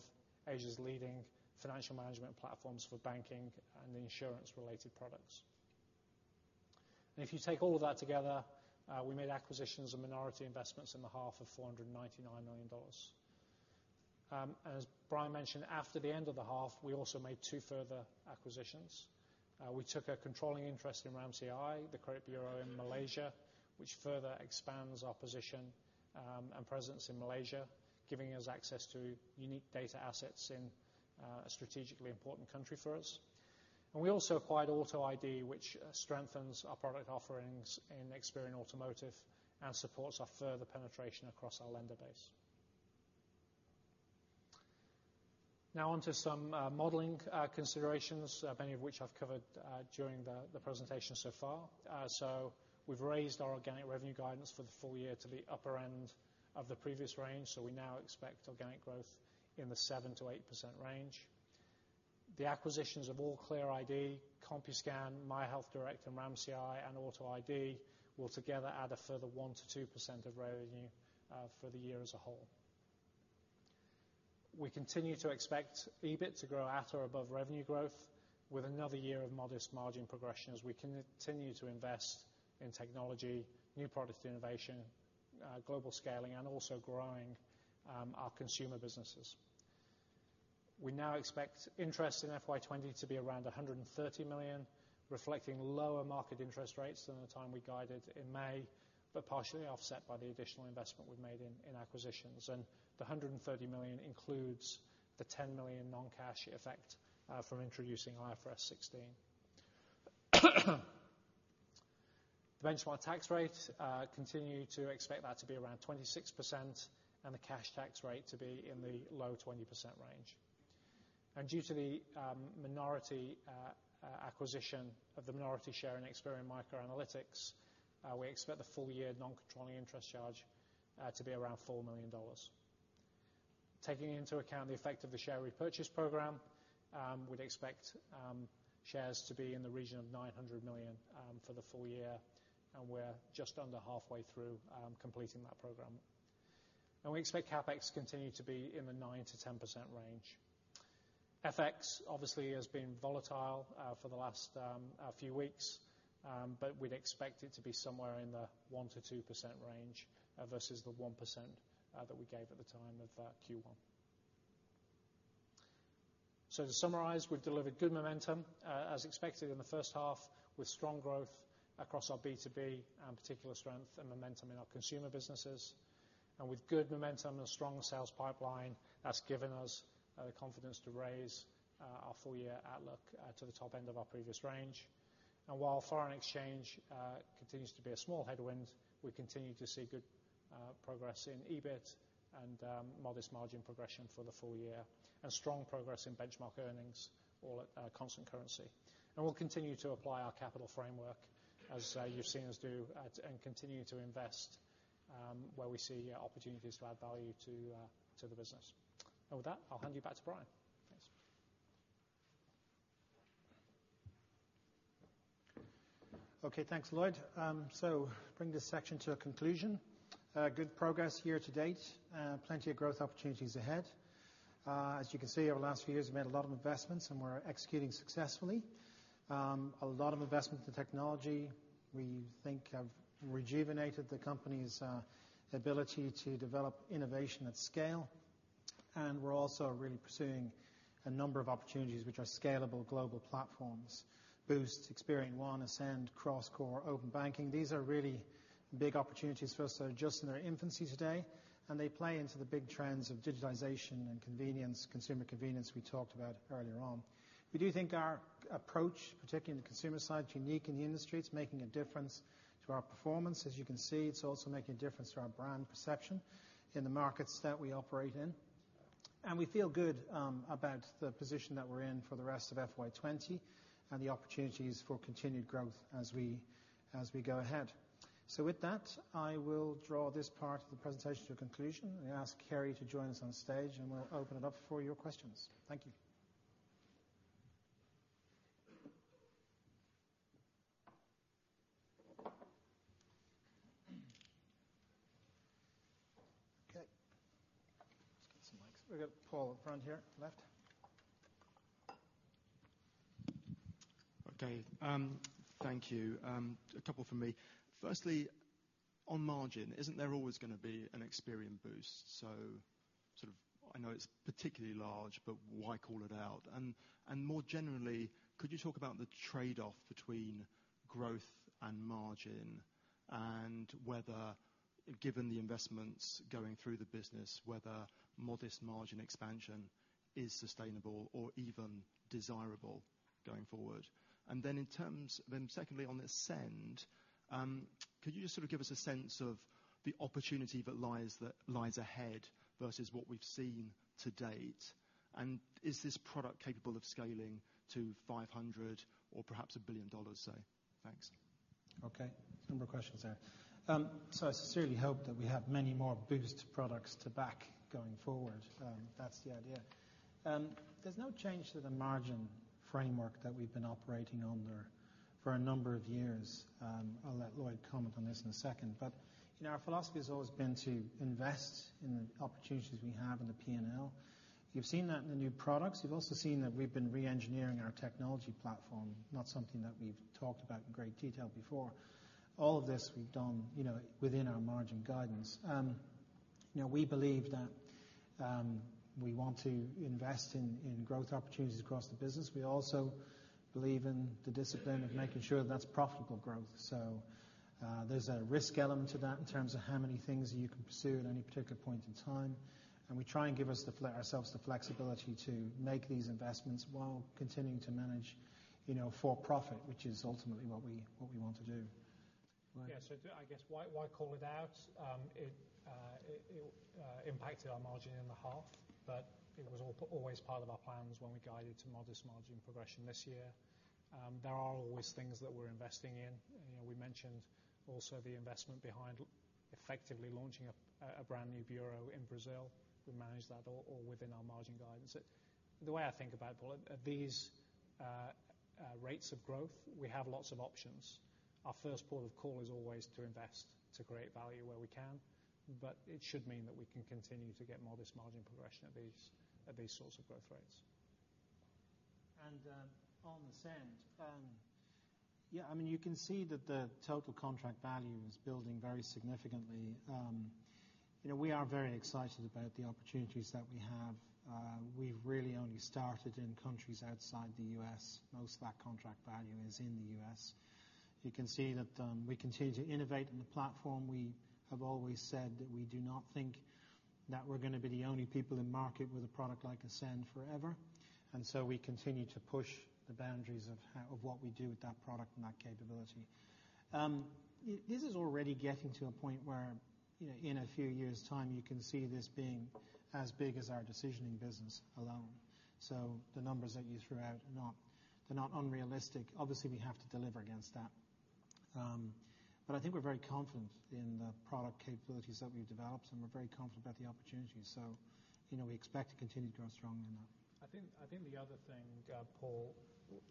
Speaker 2: Asia's leading financial management platforms for banking and insurance-related products. If you take all of that together, we made acquisitions and minority investments in the half of $499 million. As Brian mentioned, after the end of the half, we also made two further acquisitions. We took a controlling interest in RAMCI, the credit bureau in Malaysia, which further expands our position and presence in Malaysia, giving us access to unique data assets in a strategically important country for us. We also acquired Auto I.D., which strengthens our product offerings in Experian Automotive and supports our further penetration across our lender base. Now on to some modeling considerations, many of which I've covered during the presentation so far. We've raised our organic revenue guidance for the full year to the upper end of the previous range. We now expect organic growth in the 7%-8% range. The acquisitions of AllClearID, Compuscan, MyHealthDirect, RAMCI, and Auto I.D. will together add a further 1%-2% of revenue for the year as a whole. We continue to expect EBIT to grow at or above revenue growth with another year of modest margin progression as we continue to invest in technology, new product innovation, global scaling, and also growing our consumer businesses. We now expect interest in FY 2020 to be around $130 million, reflecting lower market interest rates than the time we guided in May, but partially offset by the additional investment we've made in acquisitions. The $130 million includes the $10 million non-cash effect from introducing IFRS 16. The benchmark tax rate, continue to expect that to be around 26% and the cash tax rate to be in the low 20% range. Due to the minority acquisition of the minority share in Experian MicroAnalytics, we expect the full-year non-controlling interest charge to be around $4 million. Taking into account the effect of the share repurchase program, we'd expect shares to be in the region of 900 million for the full year, and we're just under halfway through completing that program. We expect CapEx to continue to be in the 9%-10% range. FX obviously has been volatile for the last few weeks, but we'd expect it to be somewhere in the 1%-2% range versus the 1% that we gave at the time of Q1. To summarize, we've delivered good momentum as expected in the first half with strong growth across our B2B and particular strength and momentum in our consumer businesses. With good momentum and a strong sales pipeline, that's given us the confidence to raise our full-year outlook to the top end of our previous range. While foreign exchange continues to be a small headwind, we continue to see good progress in EBIT and modest margin progression for the full year, and strong progress in benchmark earnings, all at constant currency. We'll continue to apply our capital framework, as you've seen us do, and continue to invest where we see opportunities to add value to the business. With that, I'll hand you back to Brian. Thanks.
Speaker 1: Okay. Thanks, Lloyd. Bring this section to a conclusion. Good progress year to date. Plenty of growth opportunities ahead. As you can see, over the last few years, we've made a lot of investments, and we're executing successfully. A lot of investment in technology we think have rejuvenated the company's ability to develop innovation at scale. We're also really pursuing a number of opportunities which are scalable global platforms. Boost, Experian One, Ascend, CrossCore, open banking. These are really big opportunities for us that are just in their infancy today, and they play into the big trends of digitization and consumer convenience we talked about earlier on. We do think our approach, particularly in the consumer side, is unique in the industry. It's making a difference to our performance. As you can see, it's also making a difference to our brand perception in the markets that we operate in. We feel good about the position that we're in for the rest of FY 2020, and the opportunities for continued growth as we go ahead. With that, I will draw this part of the presentation to a conclusion and ask Kerry to join us on stage, and we'll open it up for your questions. Thank you. Okay.
Speaker 2: Let's get some mics. We've got Paul front here left.
Speaker 3: Okay. Thank you. A couple from me. On margin, isn't there always going to be an Experian Boost? I know it's particularly large, but why call it out? More generally, could you talk about the trade-off between growth and margin and whether, given the investments going through the business, whether modest margin expansion is sustainable or even desirable going forward? Secondly, on Ascend, could you just give us a sense of the opportunity that lies ahead versus what we've seen to date? Is this product capable of scaling to 500 or perhaps $1 billion, say? Thanks.
Speaker 1: Okay. A number of questions there. I sincerely hope that we have many more Boost products to back going forward. That's the idea. There's no change to the margin framework that we've been operating under for a number of years. I'll let Lloyd comment on this in a second. Our philosophy has always been to invest in the opportunities we have in the P&L. You've seen that in the new products. You've also seen that we've been re-engineering our technology platform, not something that we've talked about in great detail before. All of this we've done within our margin guidance. We believe that we want to invest in growth opportunities across the business. We also believe in the discipline of making sure that's profitable growth. There's a risk element to that in terms of how many things you can pursue at any particular point in time, and we try and give ourselves the flexibility to make these investments while continuing to manage for profit, which is ultimately what we want to do. Lloyd?
Speaker 2: Yeah. I guess why call it out? It impacted our margin in the half, but it was always part of our plans when we guided to modest margin progression this year. There are always things that we're investing in. We mentioned also the investment behind effectively launching a brand-new bureau in Brazil. We managed that all within our margin guidance. The way I think about, Paul, at these rates of growth, we have lots of options. Our first port of call is always to invest, to create value where we can. It should mean that we can continue to get modest margin progression at these sorts of growth rates.
Speaker 1: On Ascend, you can see that the total contract value is building very significantly. We are very excited about the opportunities that we have. We've really only started in countries outside the U.S. Most of that contract value is in the U.S. You can see that we continue to innovate in the platform. We have always said that we do not think that we're going to be the only people in market with a product like Ascend forever. We continue to push the boundaries of what we do with that product and that capability. This is already getting to a point where, in a few years' time, you can see this being as big as our decisioning business alone. The numbers that you threw out are not unrealistic. Obviously, we have to deliver against that. I think we're very confident in the product capabilities that we've developed, and we're very confident about the opportunities. We expect to continue to grow strongly now.
Speaker 2: I think the other thing, Paul,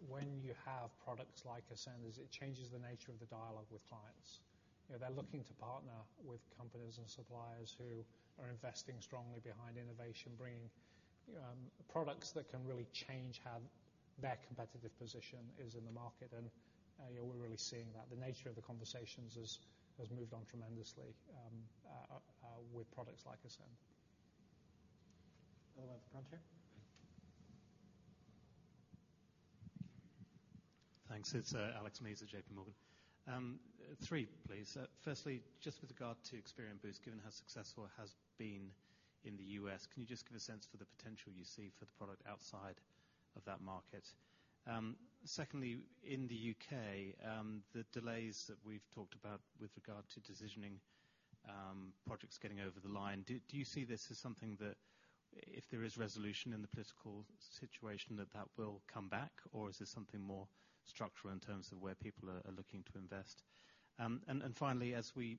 Speaker 2: when you have products like Ascend, is it changes the nature of the dialogue with clients. They're looking to partner with companies and suppliers who are investing strongly behind innovation, bringing products that can really change how their competitive position is in the market. We're really seeing that. The nature of the conversations has moved on tremendously with products like Ascend.
Speaker 1: Other one at the front here.
Speaker 4: Thanks. It's Alex Mees, JPMorgan. Three, please. Firstly, just with regard to Experian Boost, given how successful it has been in the U.S., can you just give a sense for the potential you see for the product outside of that market? Secondly, in the U.K., the delays that we've talked about with regard to decisioning projects getting over the line, do you see this as something that if there is resolution in the political situation that will come back, or is this something more structural in terms of where people are looking to invest? Finally, as we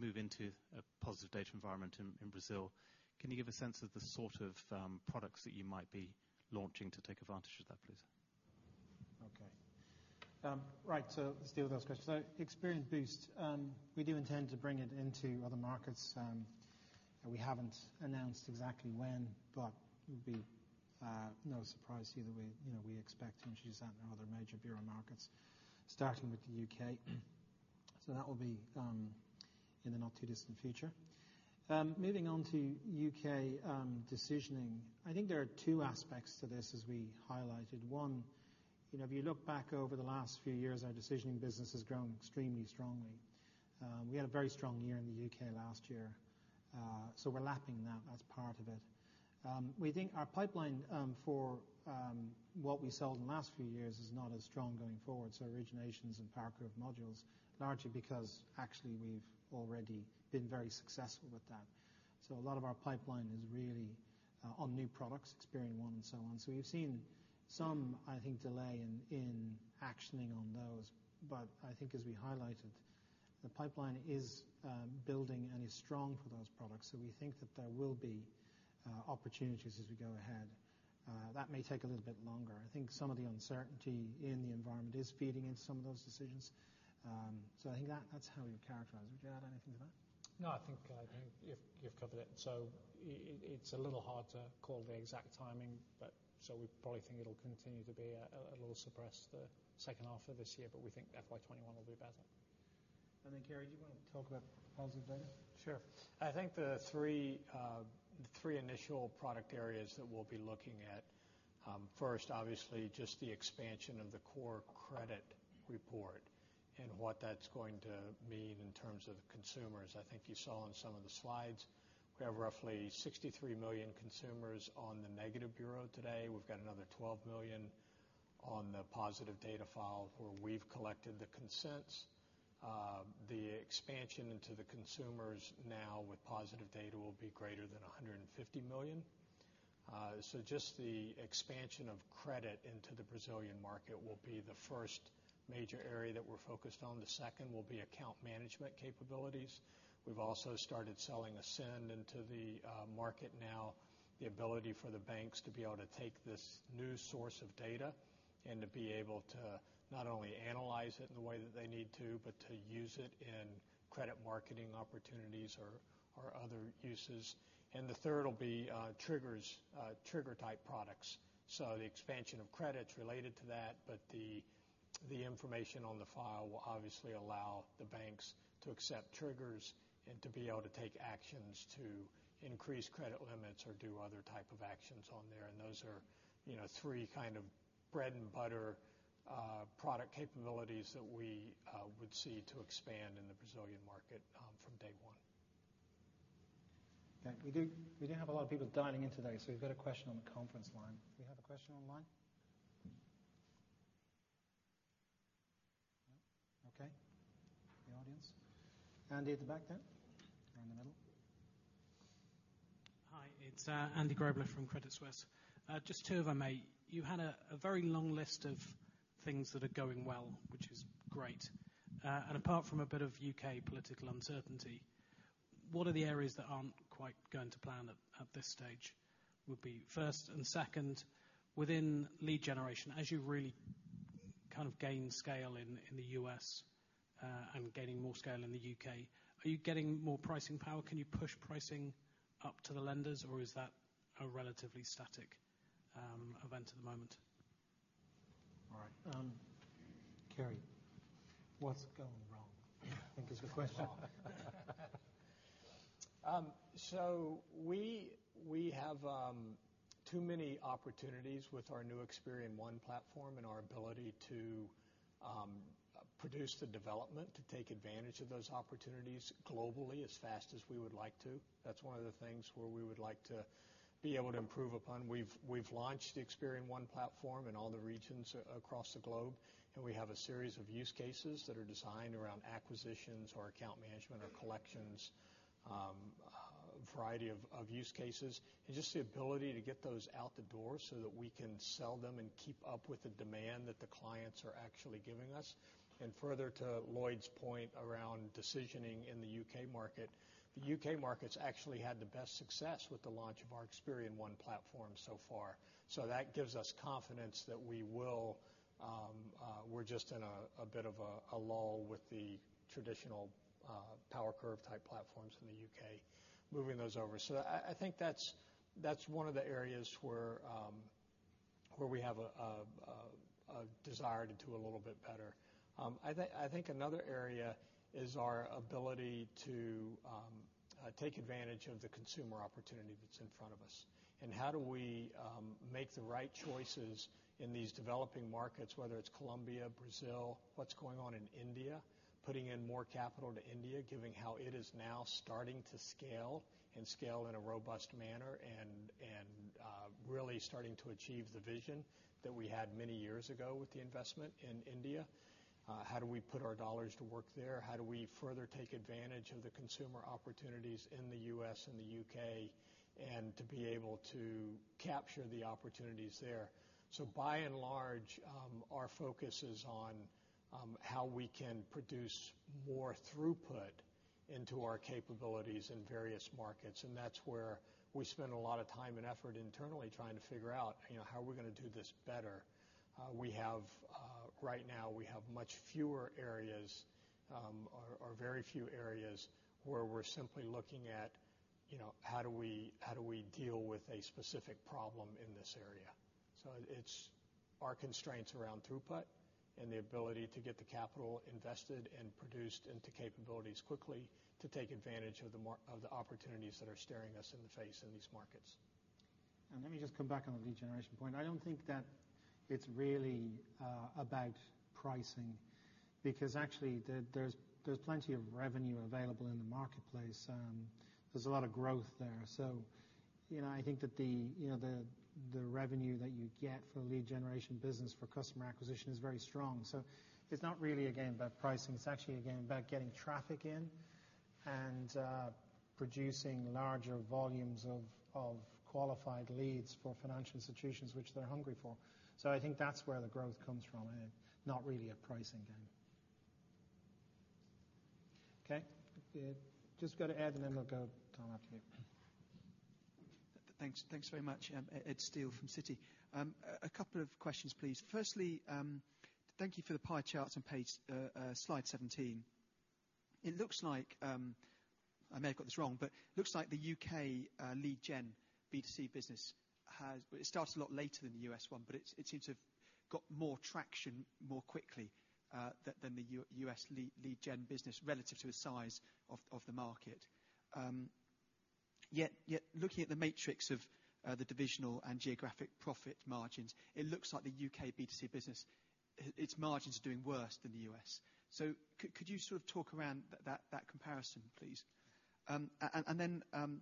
Speaker 4: move into a positive data environment in Brazil, can you give a sense of the sort of products that you might be launching to take advantage of that, please?
Speaker 1: Okay. Right. Let's deal with those questions. Experian Boost, we do intend to bring it into other markets. We haven't announced exactly when, but it would be no surprise to you that we expect to introduce that in other major bureau markets, starting with the U.K. That will be in the not-too-distant future. Moving on to U.K. decisioning. I think there are two aspects to this as we highlighted. One, if you look back over the last few years, our decisioning business has grown extremely strongly. We had a very strong year in the U.K. last year, so we're lapping that. That's part of it. We think our pipeline for what we sold in the last few years is not as strong going forward, so originations and PowerCurve modules, largely because actually we've already been very successful with that. A lot of our pipeline is really on new products, Experian One and so on. You've seen some, I think, delay in actioning on those. I think as we highlighted, the pipeline is building and is strong for those products. We think that there will be opportunities as we go ahead. That may take a little bit longer. I think some of the uncertainty in the environment is feeding into some of those decisions. I think that's how we would characterize it. Would you add anything to that?
Speaker 2: No, I think you've covered it. It's a little hard to call the exact timing, but so we probably think it'll continue to be a little suppressed the second half of this year, but we think FY 2021 will be better.
Speaker 1: Kerry, do you want to talk about positive data?
Speaker 5: Sure. I think the three initial product areas that we'll be looking at first, obviously, just the expansion of the core credit report and what that's going to mean in terms of consumers. I think you saw in some of the slides, we have roughly 63 million consumers on the negative bureau today. We've got another 12 million on the positive data file, where we've collected the consents. The expansion into the consumers now with positive data will be greater than 150 million. Just the expansion of credit into the Brazilian market will be the first major area that we're focused on. The second will be account management capabilities. We've also started selling Ascend into the market now, the ability for the banks to be able to take this new source of data and to be able to not only analyze it in the way that they need to, but to use it in credit marketing opportunities or other uses. The third will be trigger-type products. The expansion of credits related to that, but the information on the file will obviously allow the banks to accept triggers and to be able to take actions to increase credit limits or do other type of actions on there. Those are three kind of bread and butter product capabilities that we would see to expand in the Brazilian market from day one.
Speaker 1: Okay. We do have a lot of people dialing in today. We've got a question on the conference line. Do we have a question on the line? No. Okay, the audience. Andy at the back there. Or in the middle.
Speaker 6: Hi, it's Andy Grobler from Credit Suisse. Just two if I may. You had a very long list of things that are going well, which is great. Apart from a bit of U.K. political uncertainty, what are the areas that aren't quite going to plan at this stage, would be first. Second, within lead generation, as you really kind of gain scale in the U.S. and gaining more scale in the U.K., are you getting more pricing power? Can you push pricing up to the lenders, or is that a relatively static event at the moment?
Speaker 1: All right. Kerry, what's going wrong, I think is the question.
Speaker 5: We have too many opportunities with our new Experian One platform and our ability to produce the development to take advantage of those opportunities globally as fast as we would like to. That's one of the things where we would like to be able to improve upon. We've launched the Experian One platform in all the regions across the globe, and we have a series of use cases that are designed around acquisitions or account management or collections, a variety of use cases, and just the ability to get those out the door so that we can sell them and keep up with the demand that the clients are actually giving us. Further to Lloyd's point around decisioning in the U.K. market, the U.K. market's actually had the best success with the launch of our Experian One platform so far. That gives us confidence that we're just in a bit of a lull with the traditional PowerCurve-type platforms in the U.K., moving those over. I think that's one of the areas where we have a desire to do a little bit better. I think another area is our ability to take advantage of the consumer opportunity that's in front of us. How do we make the right choices in these developing markets, whether it's Colombia, Brazil, what's going on in India, putting in more capital into India, given how it is now starting to scale and scale in a robust manner and really starting to achieve the vision that we had many years ago with the investment in India. How do we put our dollars to work there? How do we further take advantage of the consumer opportunities in the U.S. and the U.K. and to be able to capture the opportunities there? By and large, our focus is on how we can produce more throughput into our capabilities in various markets. That's where we spend a lot of time and effort internally trying to figure out how we're going to do this better. Right now, we have much fewer areas or very few areas where we're simply looking at how do we deal with a specific problem in this area. It's our constraints around throughput and the ability to get the capital invested and produced into capabilities quickly to take advantage of the opportunities that are staring us in the face in these markets.
Speaker 1: Let me just come back on the lead generation point. I don't think that it's really about pricing because actually, there's plenty of revenue available in the marketplace. There's a lot of growth there. I think that the revenue that you get from lead generation business for customer acquisition is very strong. It's not really a game about pricing, it's actually a game about getting traffic in and producing larger volumes of qualified leads for financial institutions, which they're hungry for. I think that's where the growth comes from, not really a pricing game. Okay. Just go to Ed, and then we'll go Tom, after you.
Speaker 7: Thanks very much. Ed Steele from Citi. A couple of questions, please. Thank you for the pie charts on Slide 17. It looks like, I may have got this wrong, but it looks like the U.K. lead gen B2C business, it starts a lot later than the U.S. one, but it seems to have got more traction more quickly, than the U.S. lead gen business relative to the size of the market. Yet looking at the matrix of the divisional and geographic profit margins, it looks like the U.K. B2C business, its margins are doing worse than the U.S. Could you sort of talk around that comparison, please?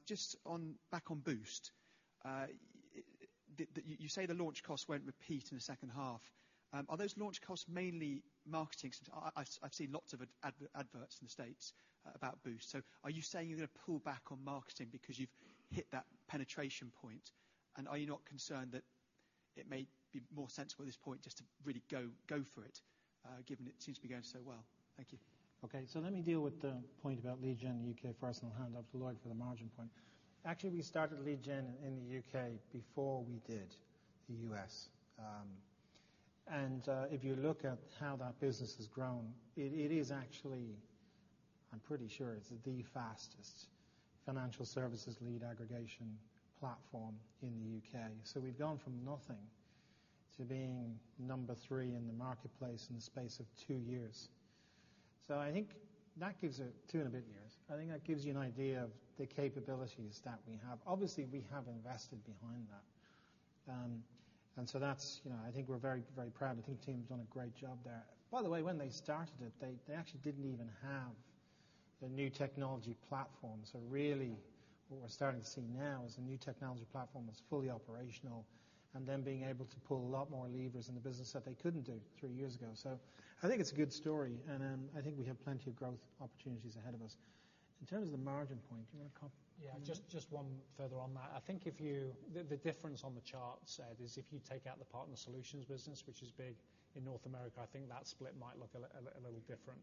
Speaker 7: Just back on Boost. You say the launch costs won't repeat in the second half. Are those launch costs mainly marketing? I've seen lots of adverts in the States about Boost. Are you saying you're going to pull back on marketing because you've hit that penetration point? Are you not concerned that it may be more sensible at this point just to really go for it, given it seems to be going so well? Thank you.
Speaker 1: Okay. Let me deal with the point about lead gen U.K. first, and I'll hand off to Lloyd for the margin point. Actually, we started lead gen in the U.K. before we did the U.S. If you look at how that business has grown, it is actually, I'm pretty sure it's the fastest financial services lead aggregation platform in the U.K. We've gone from nothing to being number 3 in the marketplace in the space of 2 years. I think that gives a 2 and a bit years. I think that gives you an idea of the capabilities that we have. Obviously, we have invested behind that. I think we're very, very proud. I think the team's done a great job there. By the way, when they started it, they actually didn't even have the new technology platform. Really what we're starting to see now is the new technology platform is fully operational and then being able to pull a lot more levers in the business that they couldn't do three years ago. I think it's a good story, and I think we have plenty of growth opportunities ahead of us. In terms of the margin point, do you want to.
Speaker 2: Yeah, just one further on that. I think the difference on the chart, Ed, is if you take out the partner solutions business, which is big in North America, I think that split might look a little different.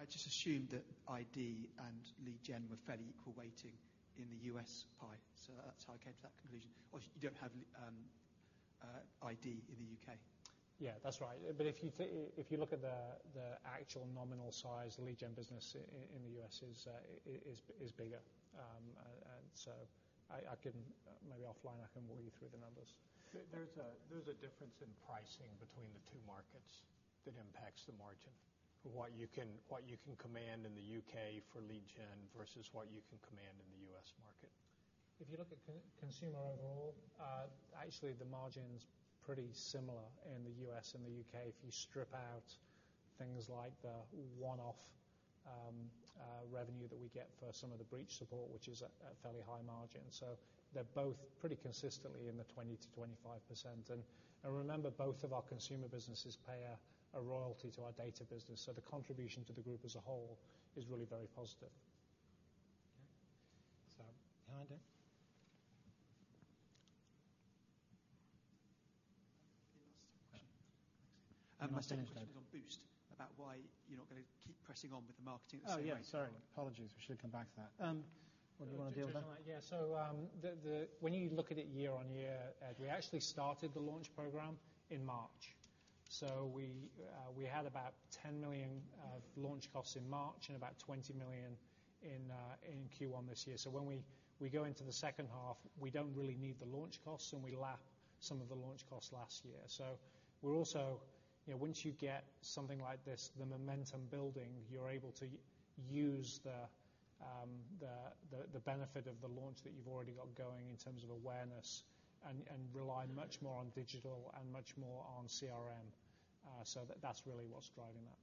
Speaker 7: I just assumed that ID and lead gen were fairly equal weighting in the U.S. pie, so that's how I came to that conclusion. You don't have ID in the U.K.?
Speaker 2: Yeah, that's right. If you look at the actual nominal size lead gen business in the U.S. is bigger. Maybe offline I can walk you through the numbers.
Speaker 1: There's a difference in pricing between the two markets that impacts the margin. What you can command in the U.K. for lead gen versus what you can command in the U.S. market.
Speaker 2: If you look at consumer overall, actually the margin's pretty similar in the U.S. and the U.K. If you strip out things like the one-off revenue that we get for some of the breach support, which is at fairly high margin. They're both pretty consistently in the 20%-25%. Remember, both of our consumer businesses pay a royalty to our data business. The contribution to the group as a whole is really very positive.
Speaker 1: Okay. Behind Ed?
Speaker 7: Any last question?
Speaker 1: You're not finished, Ed.
Speaker 7: My question is on Boost, about why you're not going to keep pressing on with the marketing the same way?
Speaker 1: Oh, yeah, sorry. Apologies. We should come back to that. What did you want to deal with that?
Speaker 2: When you look at it year-on-year, Ed, we actually started the launch program in March. We had about 10 million of launch costs in March and about 20 million in Q1 this year. When we go into the second half, we don't really need the launch costs, and we lap some of the launch costs last year. We're also, once you get something like this, the momentum building, you're able to use the benefit of the launch that you've already got going in terms of awareness and rely much more on digital and much more on CRM. That's really what's driving that.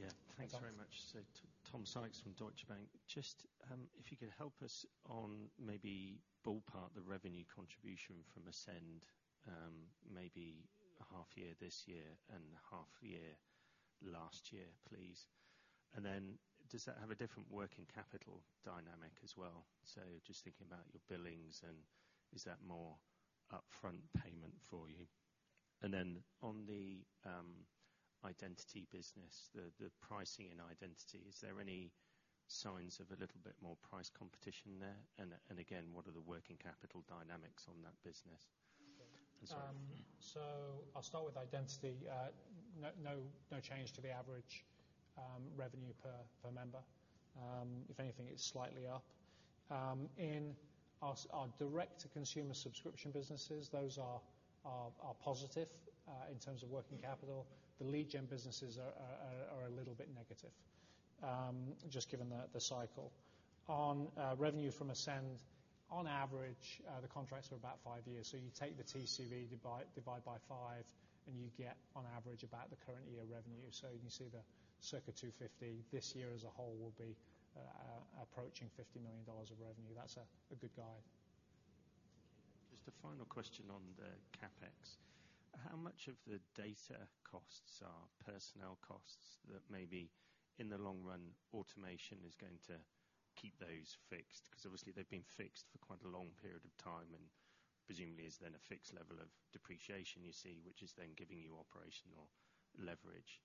Speaker 1: Yeah.
Speaker 8: Thanks. Thanks very much. Tom Sykes from Deutsche Bank. Just if you could help us on maybe ballpark the revenue contribution from Ascend, maybe half year this year and half year last year, please. Does that have a different working capital dynamic as well? Just thinking about your billings and is that more upfront payment for you? On the Identity business, the pricing in Identity, is there any signs of a little bit more price competition there? What are the working capital dynamics on that business as well?
Speaker 2: I'll start with Identity. No change to the average revenue per member. If anything, it's slightly up. In our direct-to-consumer subscription businesses, those are positive, in terms of working capital. The lead gen businesses are a little bit negative, just given the cycle. On revenue from Ascend, on average, the contracts are about five years. You take the TCV, divide by five, and you get, on average, about the current year revenue. You can see the circa $250 million. This year as a whole will be approaching $50 million of revenue. That's a good guide.
Speaker 8: Just a final question on the CapEx. How much of the data costs are personnel costs that maybe in the long run automation is going to keep those fixed? Obviously they've been fixed for quite a long period of time and presumably is then a fixed level of depreciation you see, which is then giving you operational leverage.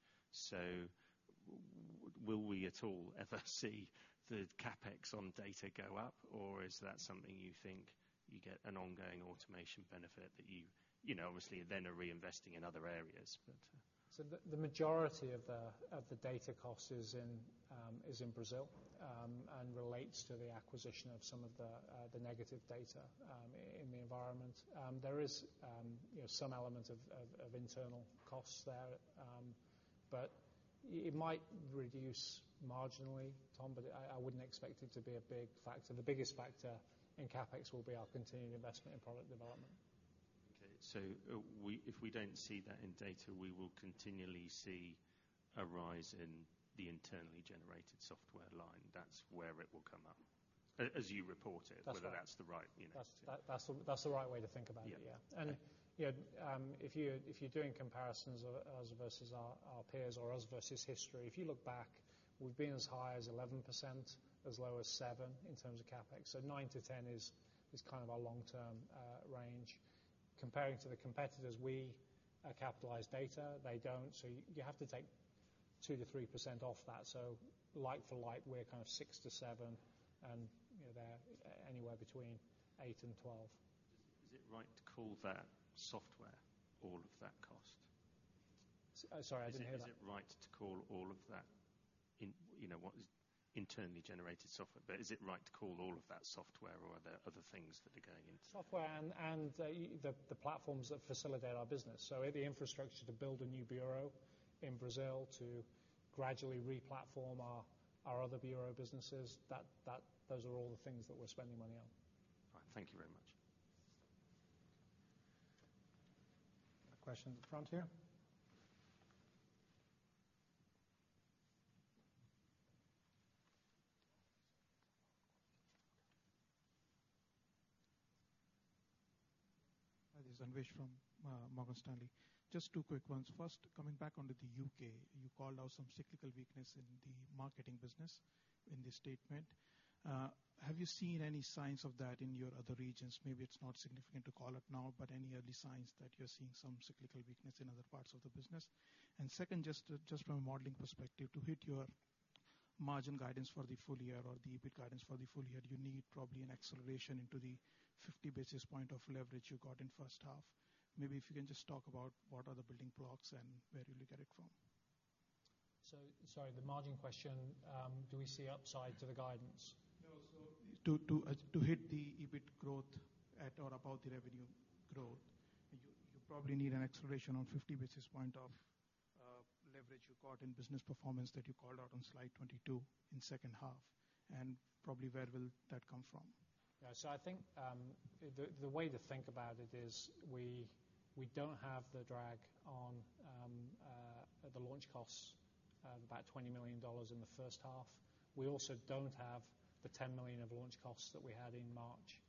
Speaker 8: Will we at all ever see the CapEx on data go up, or is that something you think you get an ongoing automation benefit that you obviously then are reinvesting in other areas?
Speaker 2: The majority of the data cost is in Brazil, and relates to the acquisition of some of the negative data in the environment. There is some element of internal costs there. It might reduce marginally, Tom, but I wouldn't expect it to be a big factor. The biggest factor in CapEx will be our continued investment in product development.
Speaker 8: Okay. If we don't see that in data, we will continually see a rise in the internally generated software line. That's where it will come up.
Speaker 2: That's right.
Speaker 8: whether that's the right, you know.
Speaker 2: That's the right way to think about it.
Speaker 8: Yeah.
Speaker 2: If you're doing comparisons of us versus our peers or us versus history, if you look back, we've been as high as 11%, as low as 7% in terms of CapEx. 9%-10% is kind of our long-term range. Comparing to the competitors, we capitalize data, they don't. You have to take 2%-3% off that. Like for like, we're kind of 6%-7%, and they're anywhere between 8% and 12%.
Speaker 8: Is it right to call that software, all of that cost?
Speaker 2: Sorry, I didn't hear that.
Speaker 8: Is it right to call all of that, what is internally generated software, but is it right to call all of that software or are there other things that are going?
Speaker 2: Software and the platforms that facilitate our business. The infrastructure to build a new bureau in Brazil to gradually re-platform our other bureau businesses, those are all the things that we're spending money on.
Speaker 8: All right. Thank you very much.
Speaker 2: A question at the front here.
Speaker 9: Hi. This is Anvesh from Morgan Stanley. Just two quick ones. First, coming back onto the U.K. You called out some cyclical weakness in the marketing business in the statement. Have you seen any signs of that in your other regions? Maybe it's not significant to call it now, but any early signs that you're seeing some cyclical weakness in other parts of the business? Second, just from a modeling perspective, to hit your margin guidance for the full year or the EBIT guidance for the full year, do you need probably an acceleration into the 50 basis points of leverage you got in first half? Maybe if you can just talk about what are the building blocks and where will you get it from.
Speaker 2: Sorry, the margin question, do we see upside to the guidance?
Speaker 9: No. To hit the EBIT growth at or above the revenue growth, you probably need an acceleration on 50 basis points of leverage you got in business performance that you called out on slide 22 in second half. Probably where will that come from?
Speaker 2: Yeah. I think the way to think about it is we don't have the drag on the launch costs, about GBP 20 million in the first half. We also don't have the 10 million of launch costs that we had in March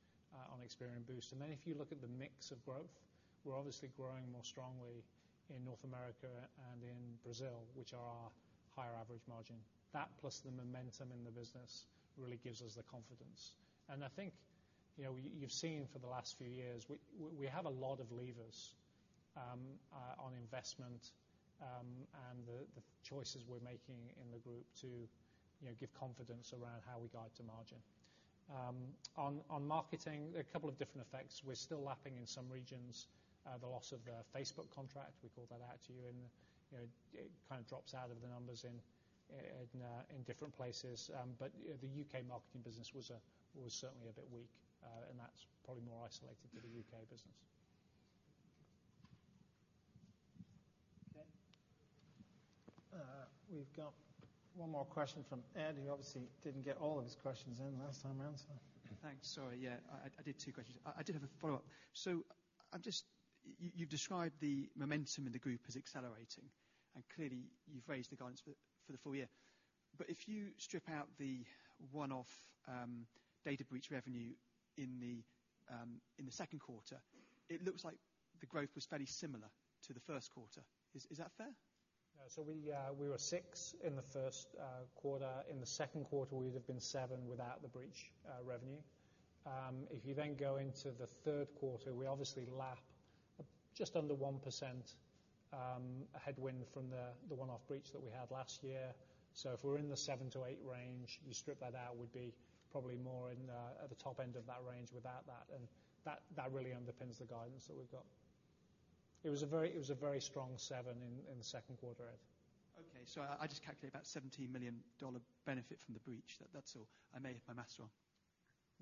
Speaker 2: on Experian Boost. If you look at the mix of growth, we're obviously growing more strongly in North America and in Brazil, which are our higher average margin. That plus the momentum in the business really gives us the confidence. I think you've seen for the last few years, we have a lot of levers on investment, and the choices we're making in the group to give confidence around how we guide to margin. On marketing, a couple of different effects. We're still lapping in some regions, the loss of the Facebook contract. We called that out to you and it kind of drops out of the numbers in different places. The U.K. marketing business was certainly a bit weak, that's probably more isolated to the U.K. business. Okay. We've got one more question from Ed, who obviously didn't get all of his questions in last time around.
Speaker 7: Thanks. Sorry. Yeah. I did two questions. I did have a follow-up. You've described the momentum in the group as accelerating, and clearly you've raised the guidance for the full year. If you strip out the one-off data breach revenue in the second quarter, it looks like the growth was fairly similar to the first quarter. Is that fair?
Speaker 2: We were six in the first quarter. In the second quarter, we'd have been seven without the breach revenue. Going into the third quarter, we obviously lap just under 1% headwind from the one-off breach that we had last year. If we're in the 7-8 range, you strip that out, we'd be probably more at the top end of that range without that. That really underpins the guidance that we've got. It was a very strong seven in the second quarter, Ed.
Speaker 7: Okay. I just calculate about $17 million benefit from the breach. That's all. I may have my math wrong.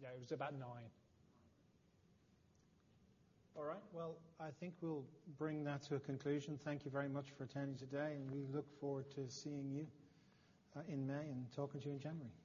Speaker 2: Yeah, it was about nine. All right. Well, I think we'll bring that to a conclusion. Thank you very much for attending today, and we look forward to seeing you in May and talking to you in January. Thank you.